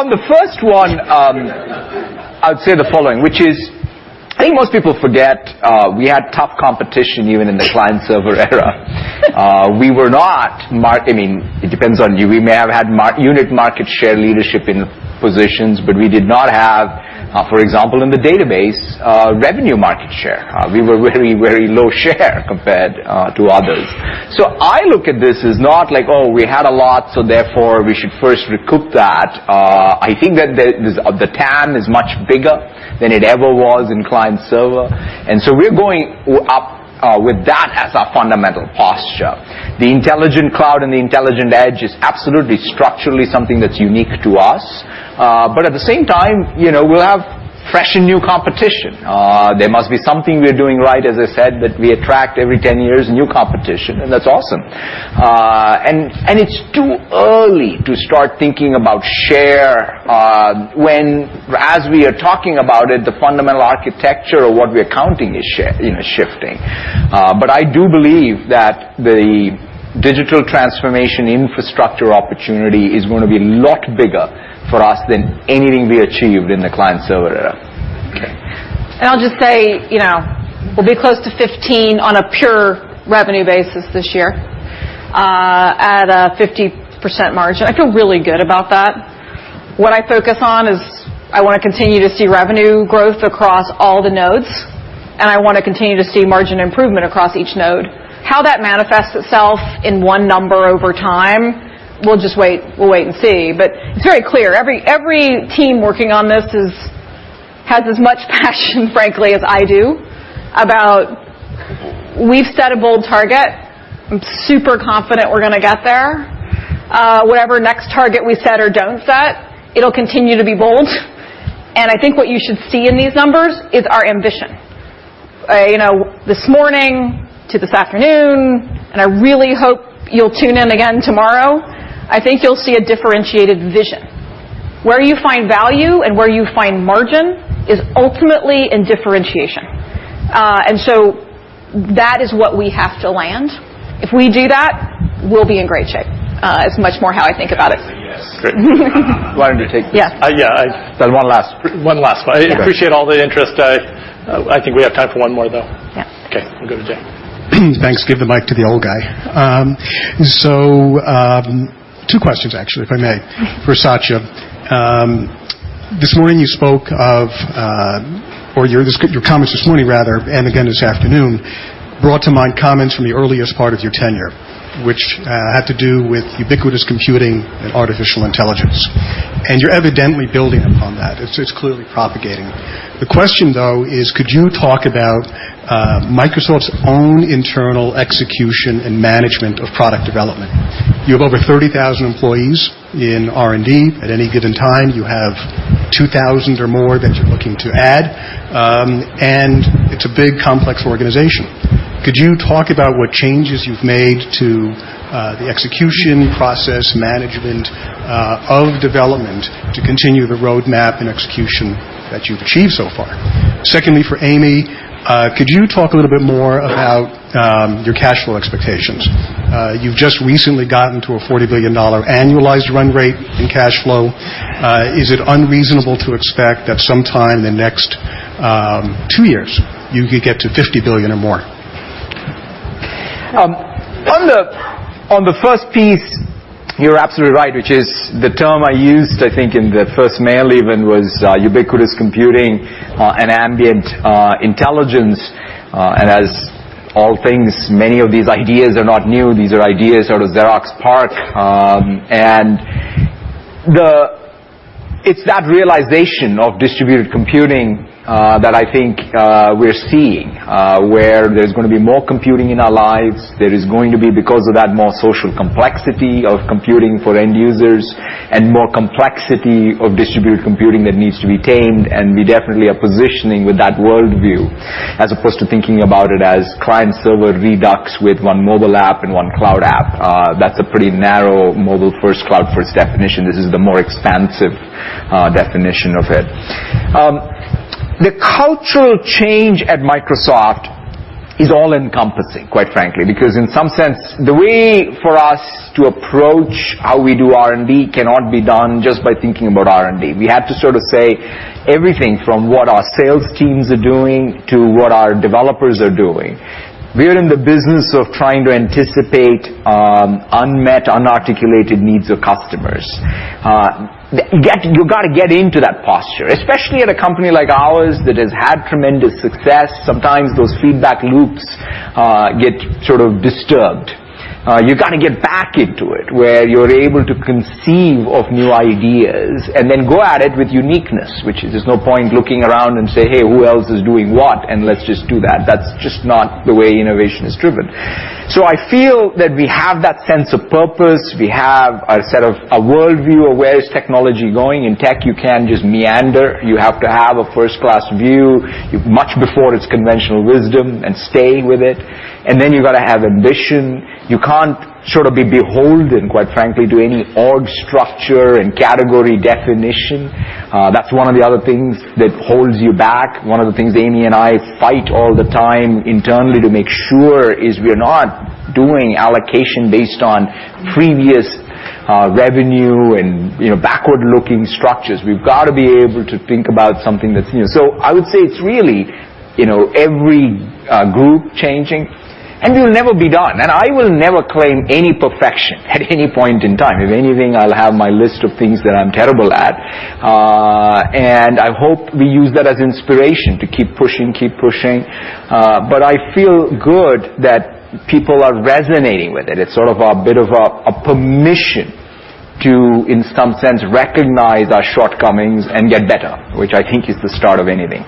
On the first one, I would say the following, which is I think most people forget we had tough competition even in the client-server era. It depends on you. We may have had unit market share leadership in positions, but we did not have for example, in the database, revenue market share. We were very low share compared to others. I look at this as not like, oh, we had a lot, therefore we should first recoup that. I think that the TAM is much bigger than it ever was in client-server, we're going up with that as our fundamental posture. The intelligent cloud and the intelligent edge is absolutely structurally something that's unique to us. At the same time, we'll have fresh and new competition. There must be something we're doing right, as I said, that we attract every 10 years, new competition, that's awesome. It's too early to start thinking about share when as we are talking about it, the fundamental architecture of what we are counting is shifting. I do believe that the digital transformation infrastructure opportunity is going to be a lot bigger for us than anything we achieved in the client-server era. Okay. I'll just say, we'll be close to $15 on a pure revenue basis this year. At a 50% margin. I feel really good about that. What I focus on is I want to continue to see revenue growth across all the nodes, and I want to continue to see margin improvement across each node. How that manifests itself in one number over time, we'll wait and see, it's very clear. Every team working on this has as much passion, frankly, as I do. We've set a bold target. I'm super confident we're going to get there. Whatever next target we set or don't set, it'll continue to be bold. I think what you should see in these numbers is our ambition. This morning to this afternoon, I really hope you'll tune in again tomorrow, I think you'll see a differentiated vision. Where you find value and where you find margin is ultimately in differentiation. That is what we have to land. If we do that, we'll be in great shape. It's much more how I think about it. Yes. Great. Why don't you take this? Yeah. Yeah. One last. One last. I appreciate all the interest. I think we have time for one more, though. Yeah. Okay, we'll go to Jay. Thanks. Give the mic to the old guy. Two questions, actually, if I may. For Satya. This morning you spoke of, or your comments this morning rather, and again this afternoon, brought to mind comments from the earliest part of your tenure, which had to do with ubiquitous computing and artificial intelligence, and you're evidently building upon that. It's clearly propagating. The question, though, is could you talk about Microsoft's own internal execution and management of product development? You have over 30,000 employees in R&D at any given time. You have 2,000 or more that you're looking to add. It's a big, complex organization. Could you talk about what changes you've made to the execution, process, management of development to continue the roadmap and execution that you've achieved so far? Secondly, for Amy, could you talk a little bit more about your cash flow expectations? You've just recently gotten to a $40 billion annualized run rate in cash flow. Is it unreasonable to expect that sometime in the next two years you could get to $50 billion or more? On the first piece, you're absolutely right, which is the term I used, I think in the first mail even was ubiquitous computing and ambient intelligence. As all things, many of these ideas are not new. These are ideas out of Xerox PARC. It's that realization of distributed computing that I think we're seeing where there's going to be more computing in our lives. There is going to be, because of that, more social complexity of computing for end users and more complexity of distributed computing that needs to be tamed, and we definitely are positioning with that worldview as opposed to thinking about it as client-server redux with one mobile app and one cloud app. That's a pretty narrow mobile first, cloud first definition. This is the more expansive definition of it. The cultural change at Microsoft is all-encompassing, quite frankly, because in some sense, the way for us to approach how we do R&D cannot be done just by thinking about R&D. We had to sort of say everything from what our sales teams are doing to what our developers are doing. We're in the business of trying to anticipate unmet, unarticulated needs of customers. You got to get into that posture, especially at a company like ours that has had tremendous success. Sometimes those feedback loops get sort of disturbed. You got to get back into it, where you're able to conceive of new ideas and then go at it with uniqueness. There's no point looking around and say, "Hey, who else is doing what? Let's just do that." That's just not the way innovation is driven. I feel that we have that sense of purpose. We have a set of a worldview of where is technology going. In tech, you can't just meander. You have to have a first-class view much before it's conventional wisdom and staying with it. Then you got to have ambition. You can't sort of be beholden, quite frankly, to any org structure and category definition. That's one of the other things that holds you back. One of the things Amy and I fight all the time internally to make sure is we're not doing allocation based on previous revenue and backward-looking structures. We've got to be able to think about something that's new. I would say it's really every group changing, and it'll never be done. I will never claim any perfection at any point in time. If anything, I'll have my list of things that I'm terrible at. I hope we use that as inspiration to keep pushing. I feel good that people are resonating with it. It's sort of a bit of a permission to, in some sense, recognize our shortcomings and get better, which I think is the start of anything.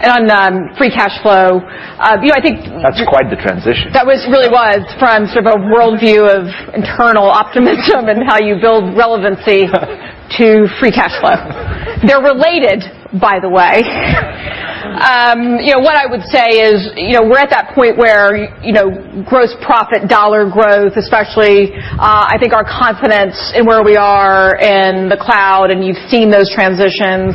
Yeah. On free cash flow. That's quite the transition. That was really from sort of a worldview of internal optimism and how you build relevancy to free cash flow. They're related, by the way. What I would say is we're at that point where gross profit dollar growth, especially, I think our confidence in where we are in the cloud, and you've seen those transitions.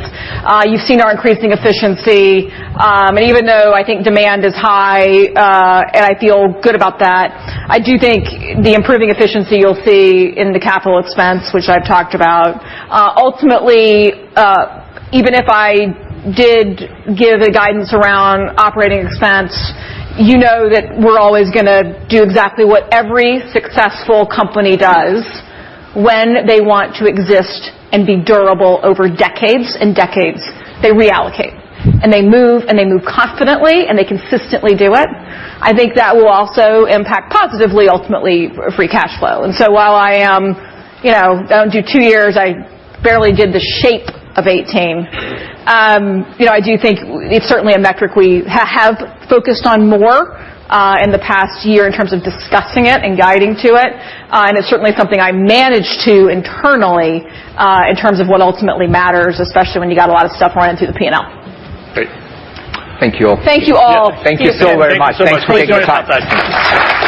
You've seen our increasing efficiency. Even though I think demand is high, and I feel good about that, I do think the improving efficiency you'll see in the capital expense, which I've talked about. Ultimately, even if I did give a guidance around operating expense, you know that we're always going to do exactly what every successful company does when they want to exist and be durable over decades and decades. They reallocate and they move, and they move confidently, and they consistently do it. I think that will also impact positively, ultimately, free cash flow. While I don't do 2 years, I barely did the shape of 2018. I do think it's certainly a metric we have focused on more, in the past year in terms of discussing it and guiding to it. It's certainly something I manage to internally, in terms of what ultimately matters, especially when you got a lot of stuff running through the P&L. Great. Thank you all. Thank you all. Thank you so very much. Thank you so much. Please join us outside.